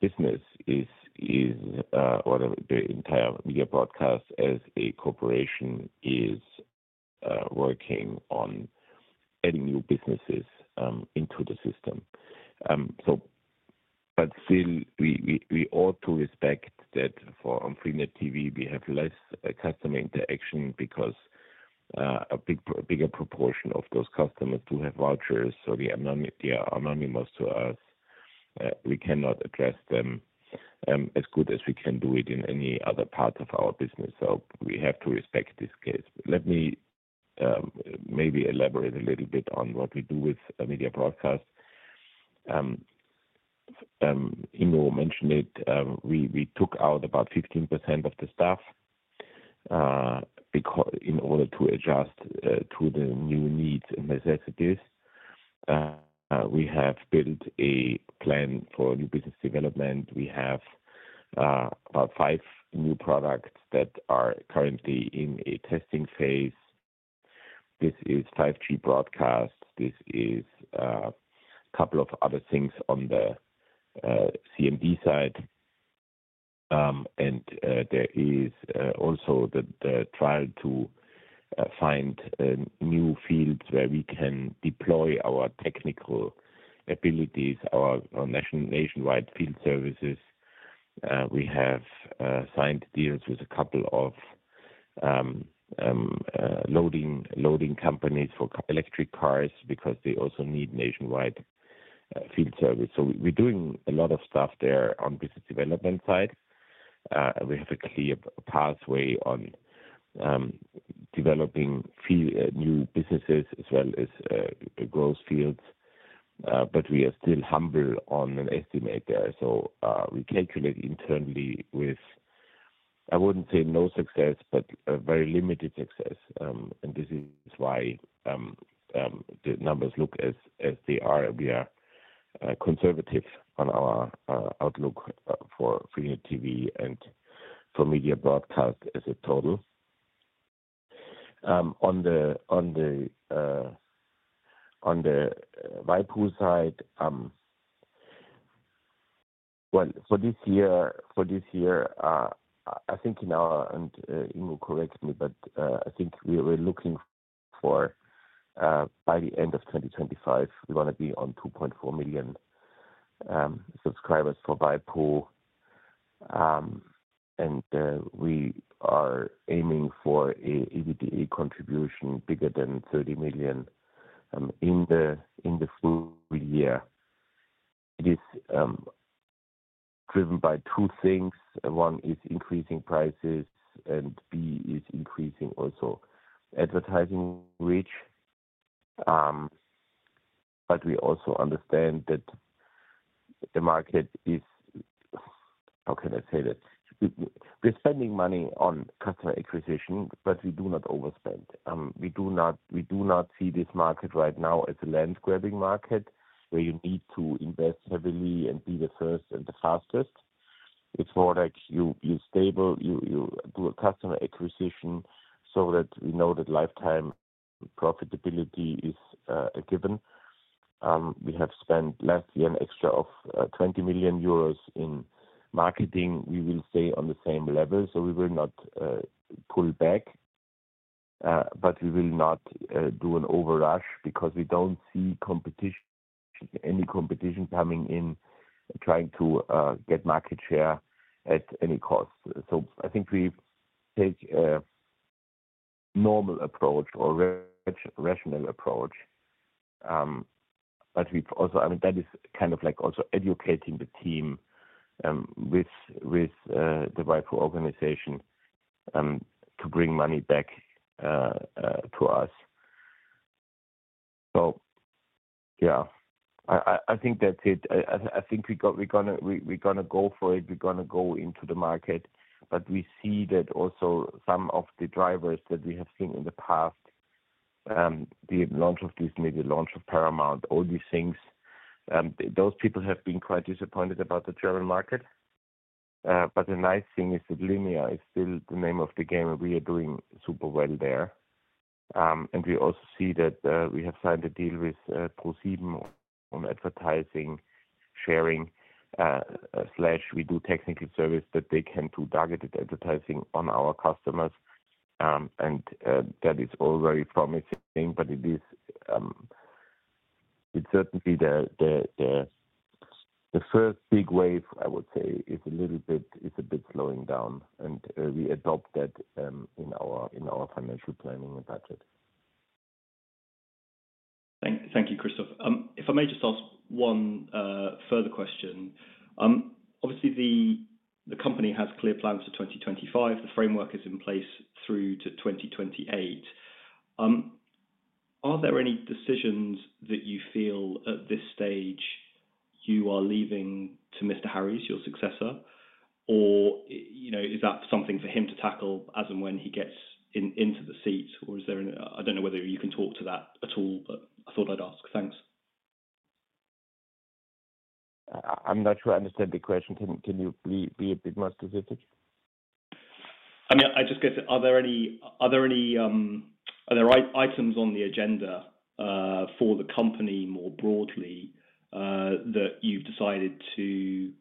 business is what the entire Media Broadcast as a corporation is working on adding new businesses into the system. But still, we ought to respect that, for on freenet TV, we have less customer interaction because a bigger proportion of those customers do have vouchers, so they are anonymous to us. We cannot address them as good as we can do it in any other part of our business. So we have to respect this case. Let me maybe elaborate a little bit on what we do with Media Broadcast. Ingo mentioned it. We took out about 15% of the staff in order to adjust to the new needs and necessities. We have built a plan for new business development. We have about five new products that are currently in a testing phase. This is 5G Broadcast. This is a couple of other things on the CMD side, and there is also the trial to find new fields where we can deploy our technical abilities, our nationwide field services. We have signed deals with a couple of leasing companies for electric cars because they also need nationwide field service. So we're doing a lot of stuff there on business development side. We have a clear pathway on developing new businesses as well as growth fields. But we are still humble on an estimate there. So we calculate internally with, I wouldn't say no success, but very limited success. And this is why the numbers look as they are. We are conservative on our outlook for freenet TV and for Media Broadcast as a total. On the waipu.tv side, well, for this year, I think in our—and Ingo correct me, but I think we were looking for, by the end of 2025, we want to be on 2.4 million subscribers for waipu. And we are aiming for an EBITDA contribution bigger than 30 million in the full year. It is driven by two things. One is increasing prices, and two is increasing also advertising reach. But we also understand that the market is, how can I say that? We're spending money on customer acquisition, but we do not overspend. We do not see this market right now as a land-grabbing market where you need to invest heavily and be the first and the fastest. It's more like you stay stable, you do a customer acquisition so that we know that lifetime profitability is a given. We have spent last year an extra of 20 million euros in marketing. We will stay on the same level, so we will not pull back. But we will not do an overrush because we don't see any competition coming in trying to get market share at any cost. So I think we take a normal approach or rational approach. But we've also—I mean, that is kind of like also educating the team with the waipu organization to bring money back to us. So yeah, I think that's it. I think we're going to go for it. We're going to go into the market. But we see that also some of the drivers that we have seen in the past, the launch of Disney, the launch of Paramount, all these things, those people have been quite disappointed about the German market. But the nice thing is that Linear is still the name of the game, and we are doing super well there, and we also see that we have signed a deal with ProSieben on advertising sharing. We do technical service that they can do targeted advertising on our customers, and that is already promising, but it's certainly the first big wave, I would say, is a little bit slowing down, and we adopt that in our financial planning and budget. Thank you, Christoph. If I may just ask one further question. Obviously, the company has clear plans for 2025. The framework is in place through to 2028. Are there any decisions that you feel at this stage you are leaving to Mr. Harries, your successor? Or is that something for him to tackle as and when he gets into the seat? Or is there, I don't know whether you can talk to that at all, but I thought I'd ask. Thanks. I'm not sure I understand the question. Can you be a bit more specific? I mean, I just guess, are there any items on the agenda for the company more broadly that you've decided to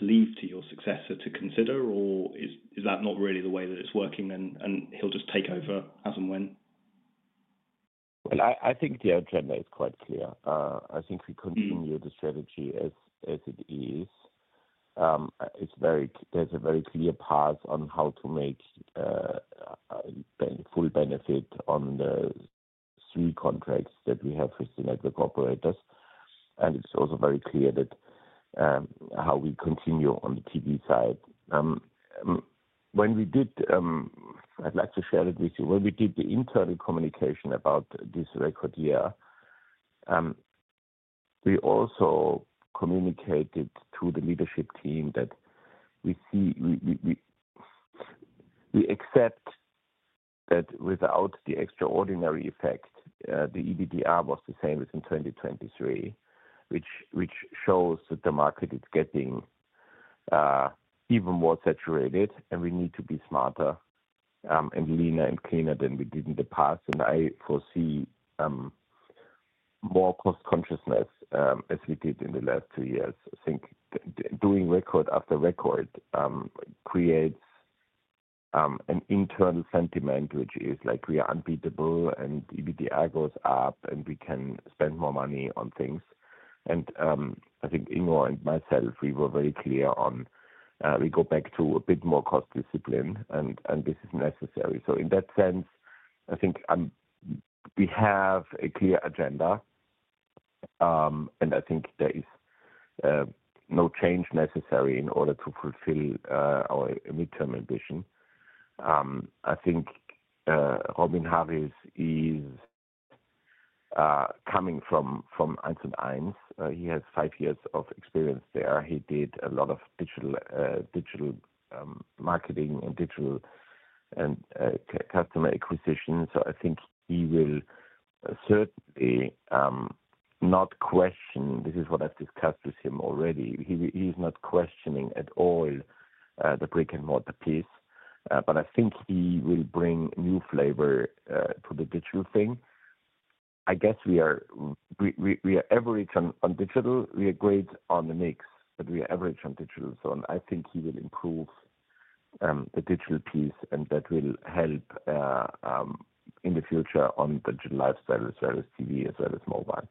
leave to your successor to consider? Or is that not really the way that it's working, and he'll just take over as and when? Well, I think the agenda is quite clear. I think we continue the strategy as it is. There's a very clear path on how to make full benefit on the three contracts that we have with the network operators. And it's also very clear how we continue on the TV side. When we did, I'd like to share it with you. When we did the internal communication about this record year, we also communicated to the leadership team that we accept that without the extraordinary effect, the EBITDA was the same as in 2023, which shows that the market is getting even more saturated, and we need to be smarter and leaner and cleaner than we did in the past, and I foresee more cost consciousness as we did in the last two years. I think doing record after record creates an internal sentiment, which is like we are unbeatable, and EBITDA goes up, and we can spend more money on things, and I think Ingo and myself, we were very clear on we go back to a bit more cost discipline, and this is necessary. So in that sense, I think we have a clear agenda, and I think there is no change necessary in order to fulfill our midterm ambition. I think Robin Harries is coming from Eins & Eins. He has five years of experience there. He did a lot of digital marketing and digital and customer acquisition. So I think he will certainly not question. This is what I've discussed with him already. He is not questioning at all the brick-and-mortar piece. But I think he will bring new flavor to the digital thing. I guess we are average on digital. We are great on the mix, but we are average on digital. So I think he will improve the digital piece, and that will help in the future on digital lifestyle as well as TV as well as mobile.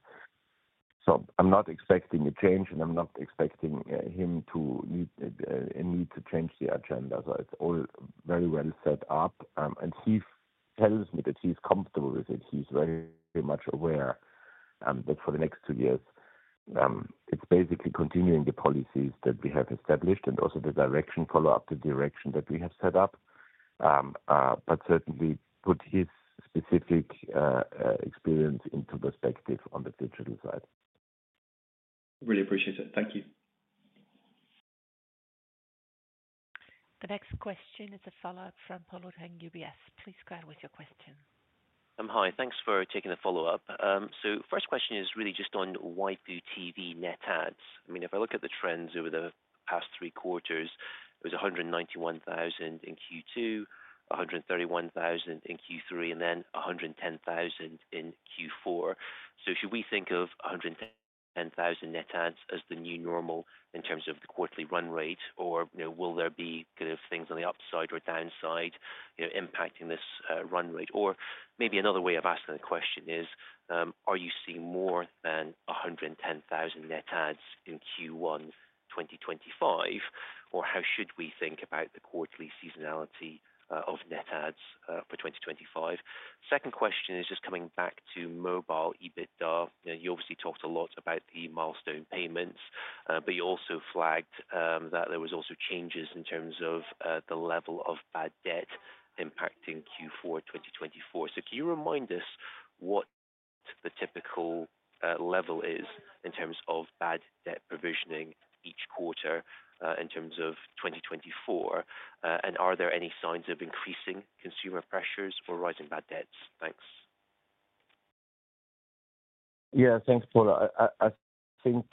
So I'm not expecting a change, and I'm not expecting him to need to change the agenda. So it's all very well set up. And he tells me that he's comfortable with it. He's very much aware that for the next two years, it's basically continuing the policies that we have established and also the direction, follow up the direction that we have set up, but certainly put his specific experience into perspective on the digital side. Really appreciate it. Thank you. The next question is a follow-up from Polo at UBS. Please go ahead with your question. Hi. Thanks for taking the follow-up. So first question is really just on waipu.tv net adds. I mean, if I look at the trends over the past three quarters, it was 191,000 in Q2, 131,000 in Q3, and then 110,000 in Q4. So should we think of 110,000 net adds as the new normal in terms of the quarterly run rate, or will there be kind of things on the upside or downside impacting this run rate? Or maybe another way of asking the question is, are you seeing more than 110,000 net adds in Q1 2025, or how should we think about the quarterly seasonality of net adds for 2025? Second question is just coming back to mobile EBITDA. You obviously talked a lot about the milestone payments, but you also flagged that there were also changes in terms of the level of bad debt impacting Q4 2024. So can you remind us what the typical level is in terms of bad debt provisioning each quarter in terms of 2024? And are there any signs of increasing consumer pressures or rising bad debts? Thanks. Yeah, thanks, Polo. I think,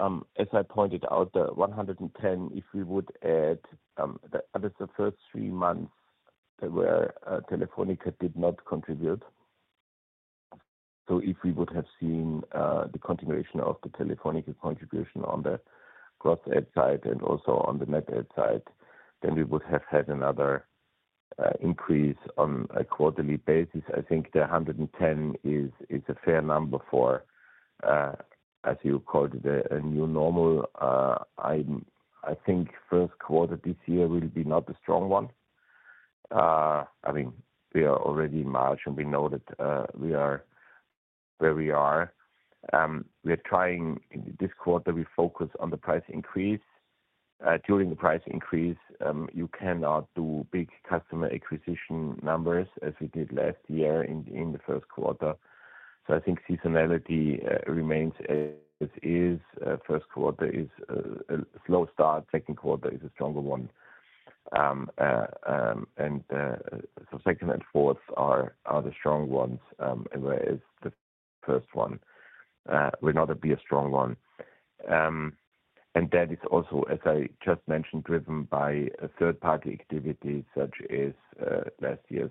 as I pointed out, the 110, if we would add that the first three months that were Telefónica did not contribute. So if we would have seen the continuation of the Telefónica contribution on the cross-sell side and also on the net adds side, then we would have had another increase on a quarterly basis. I think the 110 is a fair number for, as you called it, a new normal. I think first quarter this year will be not a strong one. I mean, we are already in March, and we know that we are where we are. We are trying this quarter. We focus on the price increase. During the price increase, you cannot do big customer acquisition numbers as we did last year in the first quarter. So I think seasonality remains as is. First quarter is a slow start. Second quarter is a stronger one. And so, second and fourth are the strong ones, whereas the first one will not be a strong one. And that is also, as I just mentioned, driven by third-party activities such as last year's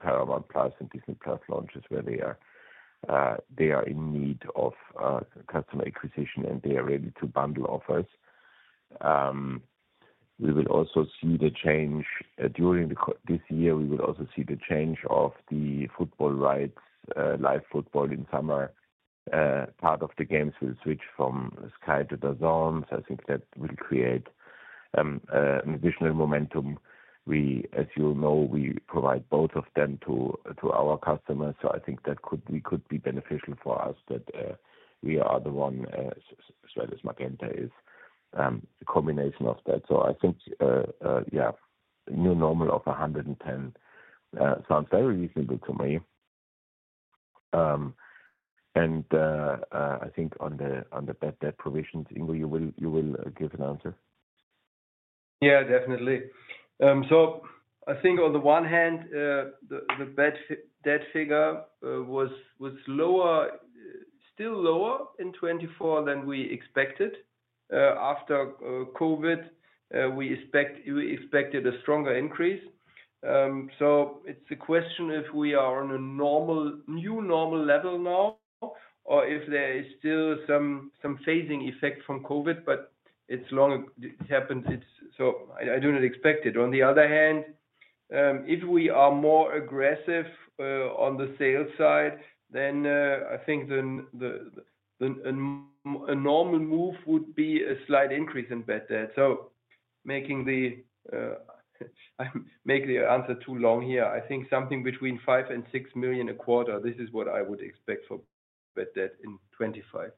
Paramount+ and Disney+ launches, where they are in need of customer acquisition, and they are ready to bundle offers. We will also see the change during this year. We will also see the change of the football rights, live football in summer. Part of the games will switch from Sky to DAZN. So, I think that will create an additional momentum. As you know, we provide both of them to our customers. So, I think that could be beneficial for us that we are the one, as well as Magenta, is a combination of that. So, I think, yeah, new normal of 110,000 sounds very reasonable to me. And I think on the bad debt provisions, Ingo, you will give an answer. Yeah, definitely. So I think on the one hand, the bad debt figure was still lower in 2024 than we expected. After COVID, we expected a stronger increase. So it's a question if we are on a new normal level now or if there is still some phasing effect from COVID, but it's long since it happened. So I do not expect it. On the other hand, if we are more aggressive on the sales side, then I think a normal move would be a slight increase in bad debt. So, not making the answer too long here. I think something between 5 million and 6 million a quarter. This is what I would expect for bad debt in 2025.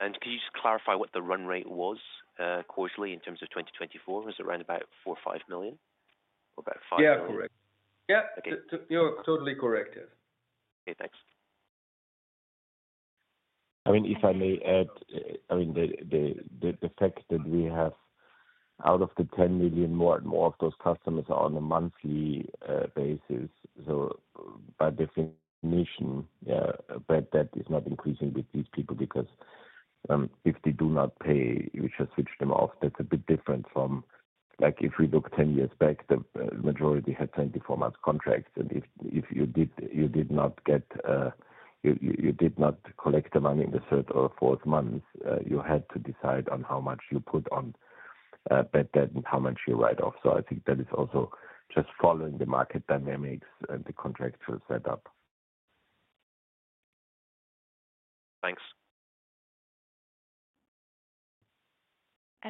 And can you just clarify what the run rate was quarterly in terms of 2024? Was it around about 4 million-5 million or about 5 million? Yeah, correct. Yeah. You're totally correct. Yes. Okay. Thanks. I mean, if I may add, I mean, the fact that we have out of the 10 million, more and more of those customers are on a monthly basis. So by definition, yeah, bad debt is not increasing with these people because if they do not pay, we just switch them off. That's a bit different from if we look 10 years back, the majority had 24-month contracts, and if you did not collect the money in the third or fourth month, you had to decide on how much you put on bad debt and how much you write off. So I think that is also just following the market dynamics and the contractual setup. Thanks.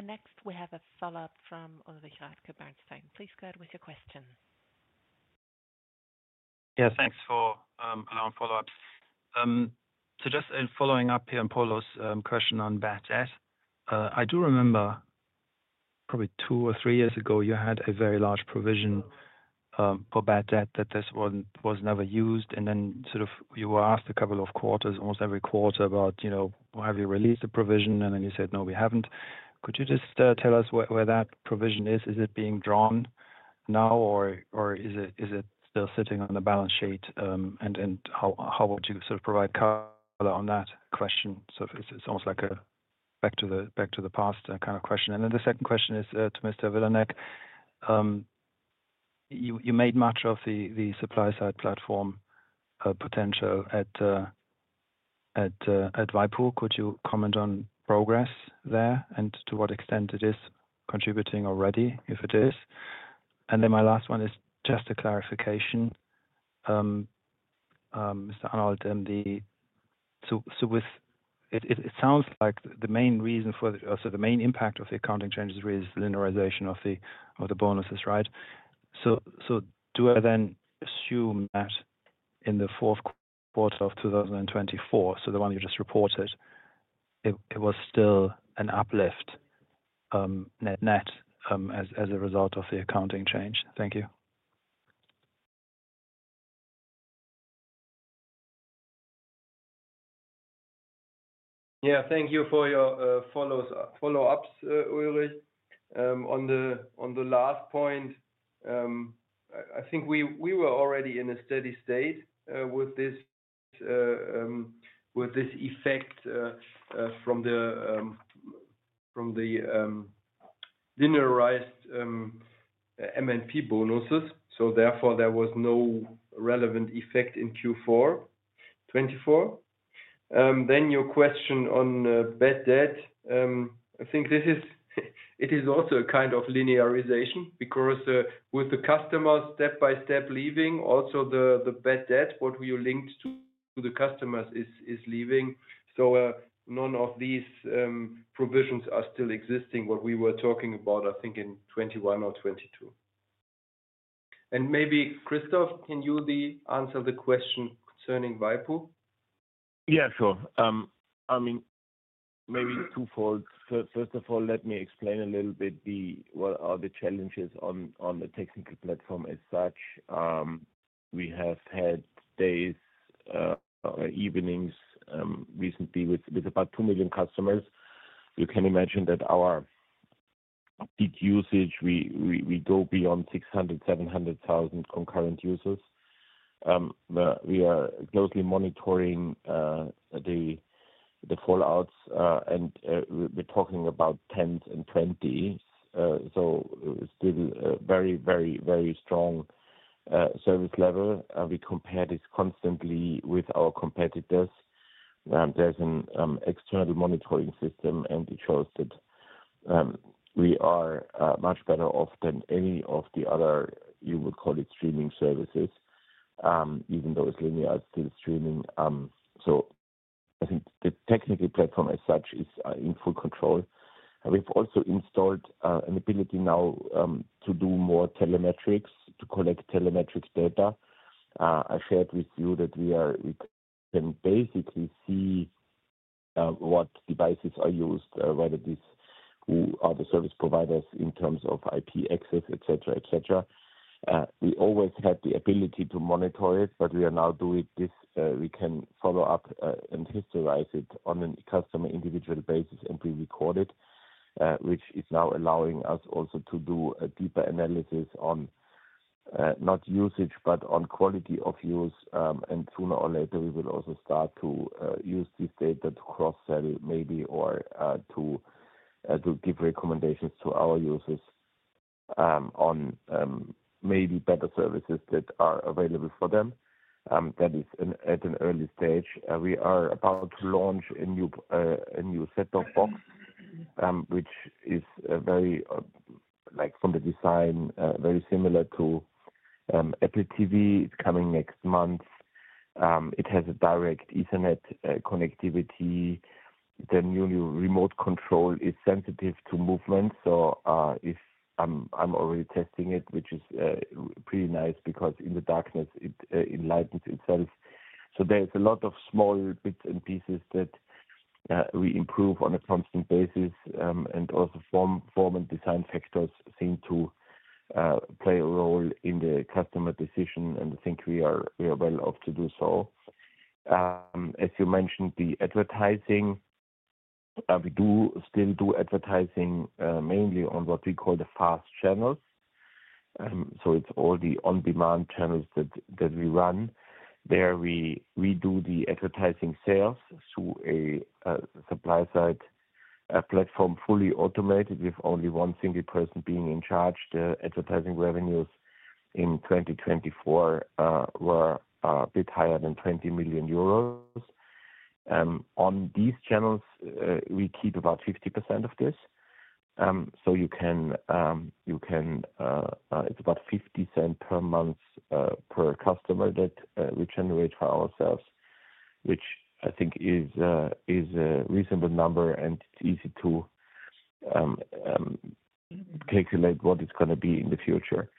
Next, we have a follow-up from Ulrich Rathe at Bernstein. Please go ahead with your question. Yes. Thanks for allowing follow-up. So just following up here on Polo's question on bad debt, I do remember probably two or three years ago, you had a very large provision for bad debt that was never used. And then sort of you were asked a couple of quarters, almost every quarter, about, "Have you released the provision?" And then you said, "No, we haven't." Could you just tell us where that provision is? Is it being drawn now, or is it still sitting on the balance sheet? And how would you sort of provide color on that question? So it's almost like a back-to-the-past kind of question. And then the second question is to Mr. Vilanek. You made much of the supply-side platform potential at waipu. Could you comment on progress there and to what extent it is contributing already, if it is? And then my last one is just a clarification. Mr. Arnold, it sounds like the main reason for the the main impact of the accounting changes really is the linearization of the bonuses, right? So do I then assume that in the fourth quarter of 2024, so the one you just reported, it was still an uplift net as a result of the accounting change? Thank you. Yeah. Thank you for your follow-ups, Ulrich. On the last point, I think we were already in a steady state with this effect from the linearized MNP bonuses. So therefore, there was no relevant effect in Q4 2024. Then, your question on bad debt. I think it is also a kind of linearization because with the customers step-by-step leaving, also the bad debt, what we are linked to the customers, is leaving. So none of these provisions are still existing, what we were talking about, I think, in 2021 or 2022. And maybe, Christoph, can you answer the question concerning waipu? Yeah, sure. I mean, maybe twofold. First of all, let me explain a little bit what are the challenges on the technical platform as such. We have had days or evenings recently with about 2 million customers. You can imagine that our peak usage, we go beyond 600,000-700,000 concurrent users. We are closely monitoring the fallouts, and we're talking about 10s and 20s. So it's still a very, very, very strong service level. We compare this constantly with our competitors. There's an external monitoring system, and it shows that we are much better off than any of the other, you would call it, streaming services, even though it's linear still streaming. So I think the technical platform as such is in full control. We've also installed an ability now to do more telemetrics to collect telemetrics data. I shared with you that we can basically see what devices are used, whether these are the service providers in terms of IP access, etc., etc. We always had the ability to monitor it, but we are now doing this. We can follow up and historize it on a customer individual basis and prerecord it, which is now allowing us also to do a deeper analysis on not usage, but on quality of use. And sooner or later, we will also start to use this data to cross-sell maybe or to give recommendations to our users on maybe better services that are available for them. That is at an early stage. We are about to launch a new set-top box, which is very, from the design, very similar to Apple TV. It's coming next month. It has a direct Ethernet connectivity. The new remote control is sensitive to movement. So I'm already testing it, which is pretty nice because in the darkness, it enlightens itself. So there's a lot of small bits and pieces that we improve on a constant basis. And also form and design factors seem to play a role in the customer decision, and I think we are well off to do so. As you mentioned, the advertising, we do still do advertising mainly on what we call the FAST channels. So it's all the on-demand channels that we run. There we do the advertising sales through a supply-side platform fully automated with only one single person being in charge. The advertising revenues in 2024 were a bit higher than 20 million euros. On these channels, we keep about 50% of this. So you can, it's about 0.50 per month per customer that we generate for ourselves, which I think is a reasonable number, and it's easy to calculate what it's going to be in the future.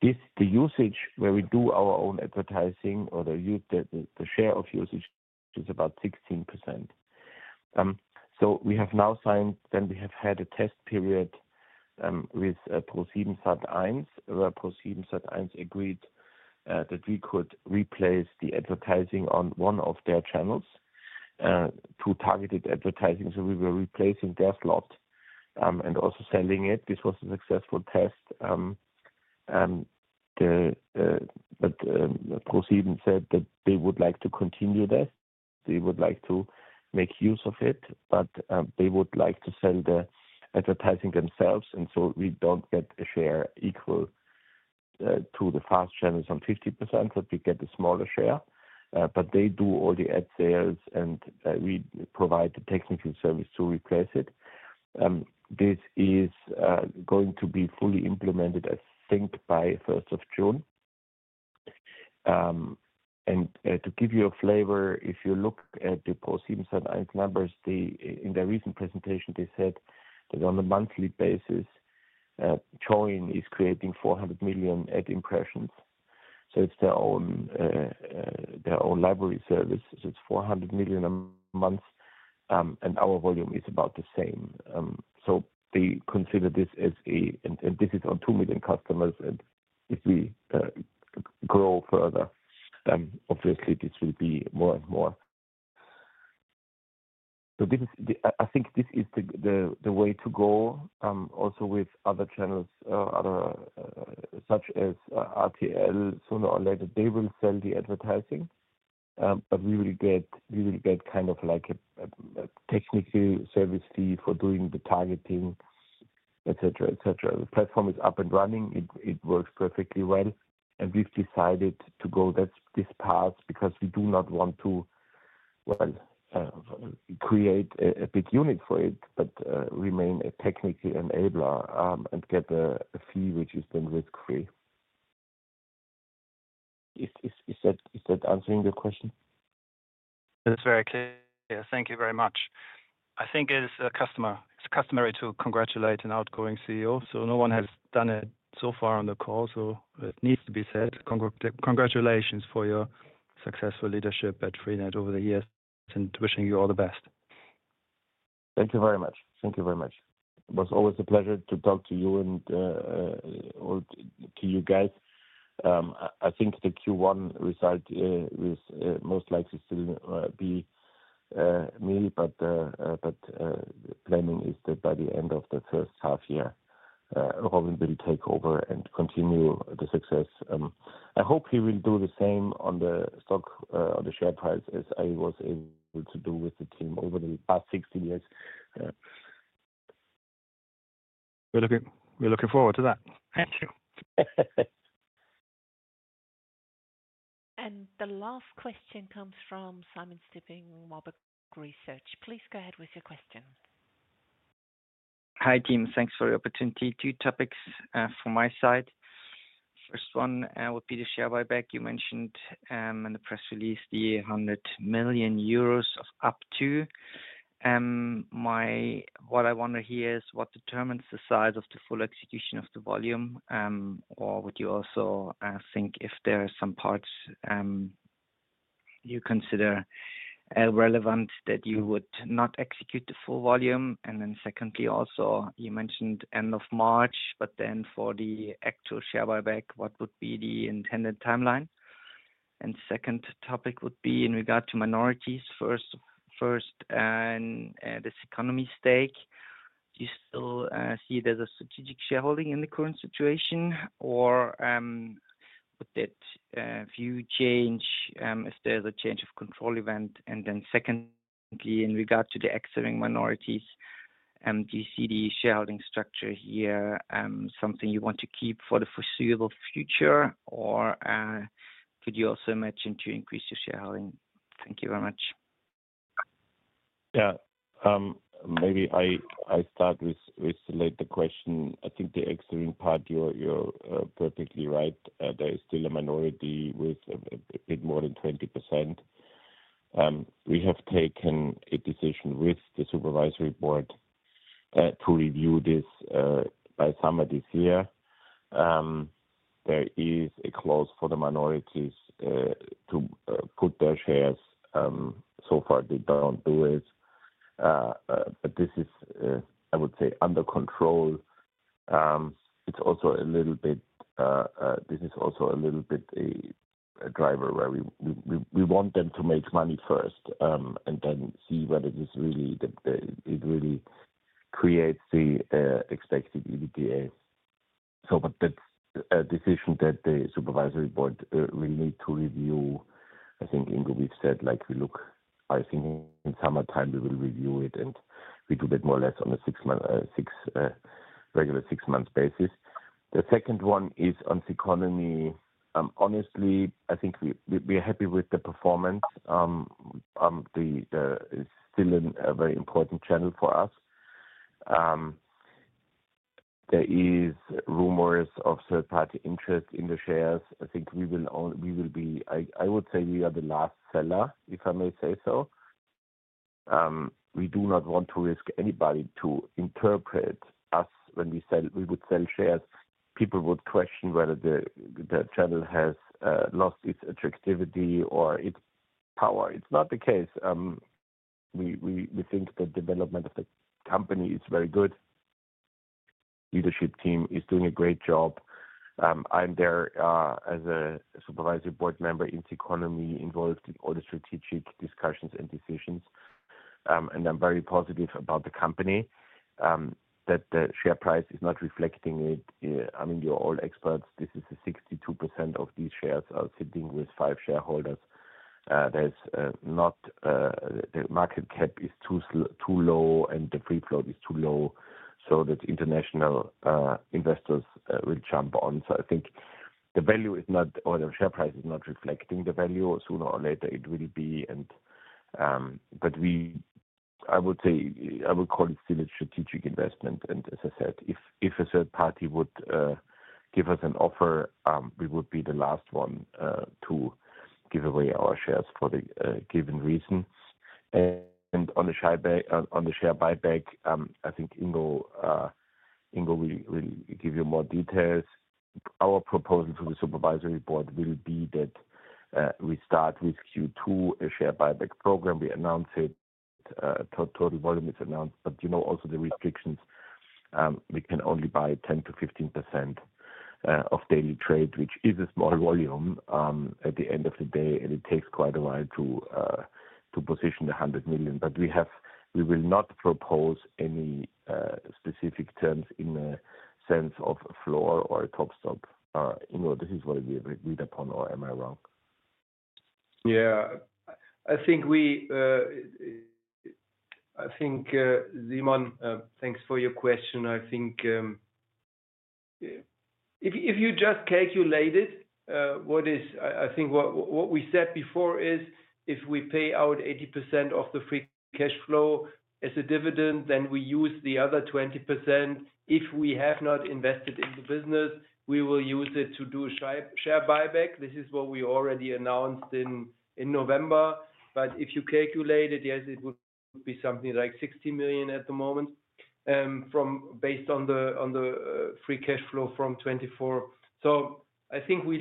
The usage where we do our own advertising or the share of usage is about 16%. So we have now signed, then we have had a test period with ProSiebenSat.1, where ProSiebenSat.1 agreed that we could replace the advertising on one of their channels to targeted advertising. So we were replacing their slot and also selling it. This was a successful test, but ProSieben said that they would like to continue this. They would like to make use of it, but they would like to sell the advertising themselves. And so we don't get a share equal to the FAST channels on 50%, but we get a smaller share. But they do all the ad sales, and we provide the technical service to replace it. This is going to be fully implemented, I think, by 1st of June. And to give you a flavor, if you look at the ProSiebenSat.1 numbers, in their recent presentation, they said that on a monthly basis, Joyn is creating 400 million ad impressions. So it's their own library service. It's 400 million a month, and our volume is about the same. So they consider this as a and this is on 2 million customers. If we grow further, obviously, this will be more and more. I think this is the way to go. Also with other channels, such as RTL, sooner or later, they will sell the advertising, but we will get kind of like a technical service fee for doing the targeting, etc., etc. The platform is up and running. It works perfectly well. We've decided to go this path because we do not want to, well, create a big unit for it, but remain a technical enabler and get a fee which is then risk-free. Is that answering your question? That's very clear. Thank you very much. I think it's customary to congratulate an outgoing CEO. No one has done it so far on the call. It needs to be said. Congratulations for your successful leadership at freenet over the years, and wishing you all the best. Thank you very much. Thank you very much. It was always a pleasure to talk to you and to you guys. I think the Q1 result will most likely still be me, but the planning is that by the end of the first half year, Robin will take over and continue the success. I hope he will do the same on the stock, on the share price, as I was able to do with the team over the past 16 years. We're looking forward to that. Thank you. And the last question comes from Simon Stippig, Warburg Research. Please go ahead with your question. Hi, team. Thanks for the opportunity. Two topics from my side. First one would be the share buyback you mentioned in the press release, the 100 million euros of up to. What I want to hear is what determines the size of the full execution of the volume, or would you also think if there are some parts you consider relevant that you would not execute the full volume? And then secondly, also you mentioned end of March, but then for the actual share buyback, what would be the intended timeline? And second topic would be in regard to minorities first and this Exaring stake. Do you still see there's a strategic shareholding in the current situation, or would that view change if there's a change of control event? And then secondly, in regard to the existing minorities, do you see the shareholding structure here something you want to keep for the foreseeable future, or could you also imagine to increase your shareholding? Thank you very much. Yeah. Maybe I start with the question. I think the Exaring part, you're perfectly right. There is still a minority with a bit more than 20%. We have taken a decision with the supervisory board to review this by summer this year. There is a clause for the minorities to put their shares. So far, they don't do it. But this is, I would say, under control. It's also a little bit this is also a little bit a driver where we want them to make money first and then see whether it really creates the expected EBITDA. But that's a decision that the supervisory board will need to review. I think Ingo we've said we look pricing in summertime. We will review it, and we do that more or less on a regular six-month basis. The second one is on the Ceconomy. Honestly, I think we're happy with the performance. It's still a very important channel for us. There are rumors of third-party interest in the shares. I would say we are the last seller, if I may say so. We do not want to risk anybody to interpret us when we would sell shares. People would question whether the channel has lost its attractivity or its power. It's not the case. We think the development of the company is very good. The leadership team is doing a great job. I'm there as a supervisory board member in the company involved in all the strategic discussions and decisions. And I'm very positive about the company that the share price is not reflecting it. I mean, you're all experts. This is 62% of these shares are sitting with five shareholders. The market cap is too low, and the free float is too low so that international investors will jump on. So I think the value is not or the share price is not reflecting the value. Sooner or later, it will be. But I would say I would call it still a strategic investment. And as I said, if a third party would give us an offer, we would be the last one to give away our shares for the given reason. And on the share buyback, I think Ingo will give you more details. Our proposal to the supervisory board will be that we start with Q2 a share buyback program. We announce it. Total volume is announced. But you know also the restrictions. We can only buy 10%-15% of daily trade, which is a small volume at the end of the day. It takes quite a while to position the 100 million. But we will not propose any specific terms in the sense of a floor or a top stop. Ingo, this is what we agreed upon, or am I wrong? Yeah. I think Simon, thanks for your question. I think if you just calculate it, I think what we said before is if we pay out 80% of the free cash flow as a dividend, then we use the other 20%. If we have not invested in the business, we will use it to do share buyback. This is what we already announced in November. But if you calculate it, yes, it would be something like 60 million at the moment based on the free cash flow from 2024. So I think we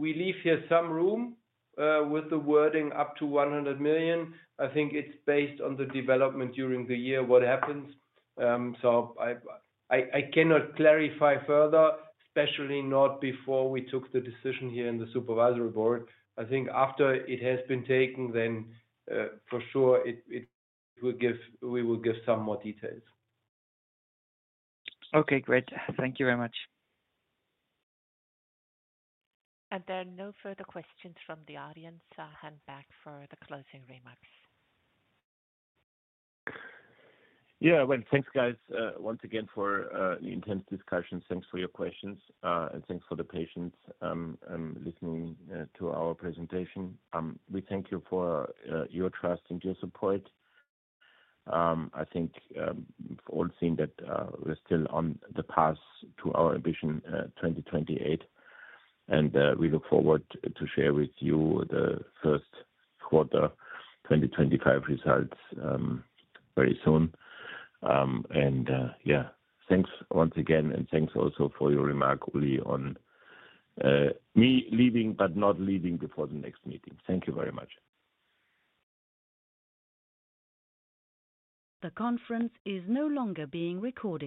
leave here some room with the wording up to 100 million. I think it's based on the development during the year, what happens. So I cannot clarify further, especially not before we took the decision here in the supervisory board. I think after it has been taken, then for sure we will give some more details. Okay. Great. Thank you very much. Are there no further questions from the audience? I'll hand back for the closing remarks. Yeah. Well, thanks, guys, once again for the intense discussions. Thanks for your questions, and thanks for the patience listening to our presentation. We thank you for your trust and your support. I think we've all seen that we're still on the path to our ambition 2028, and we look forward to share with you the first quarter 2025 results very soon. And yeah, thanks once again, and thanks also for your remark, Ulrich, on me leaving but not leaving before the next meeting. Thank you very much. The conference is no longer being recorded.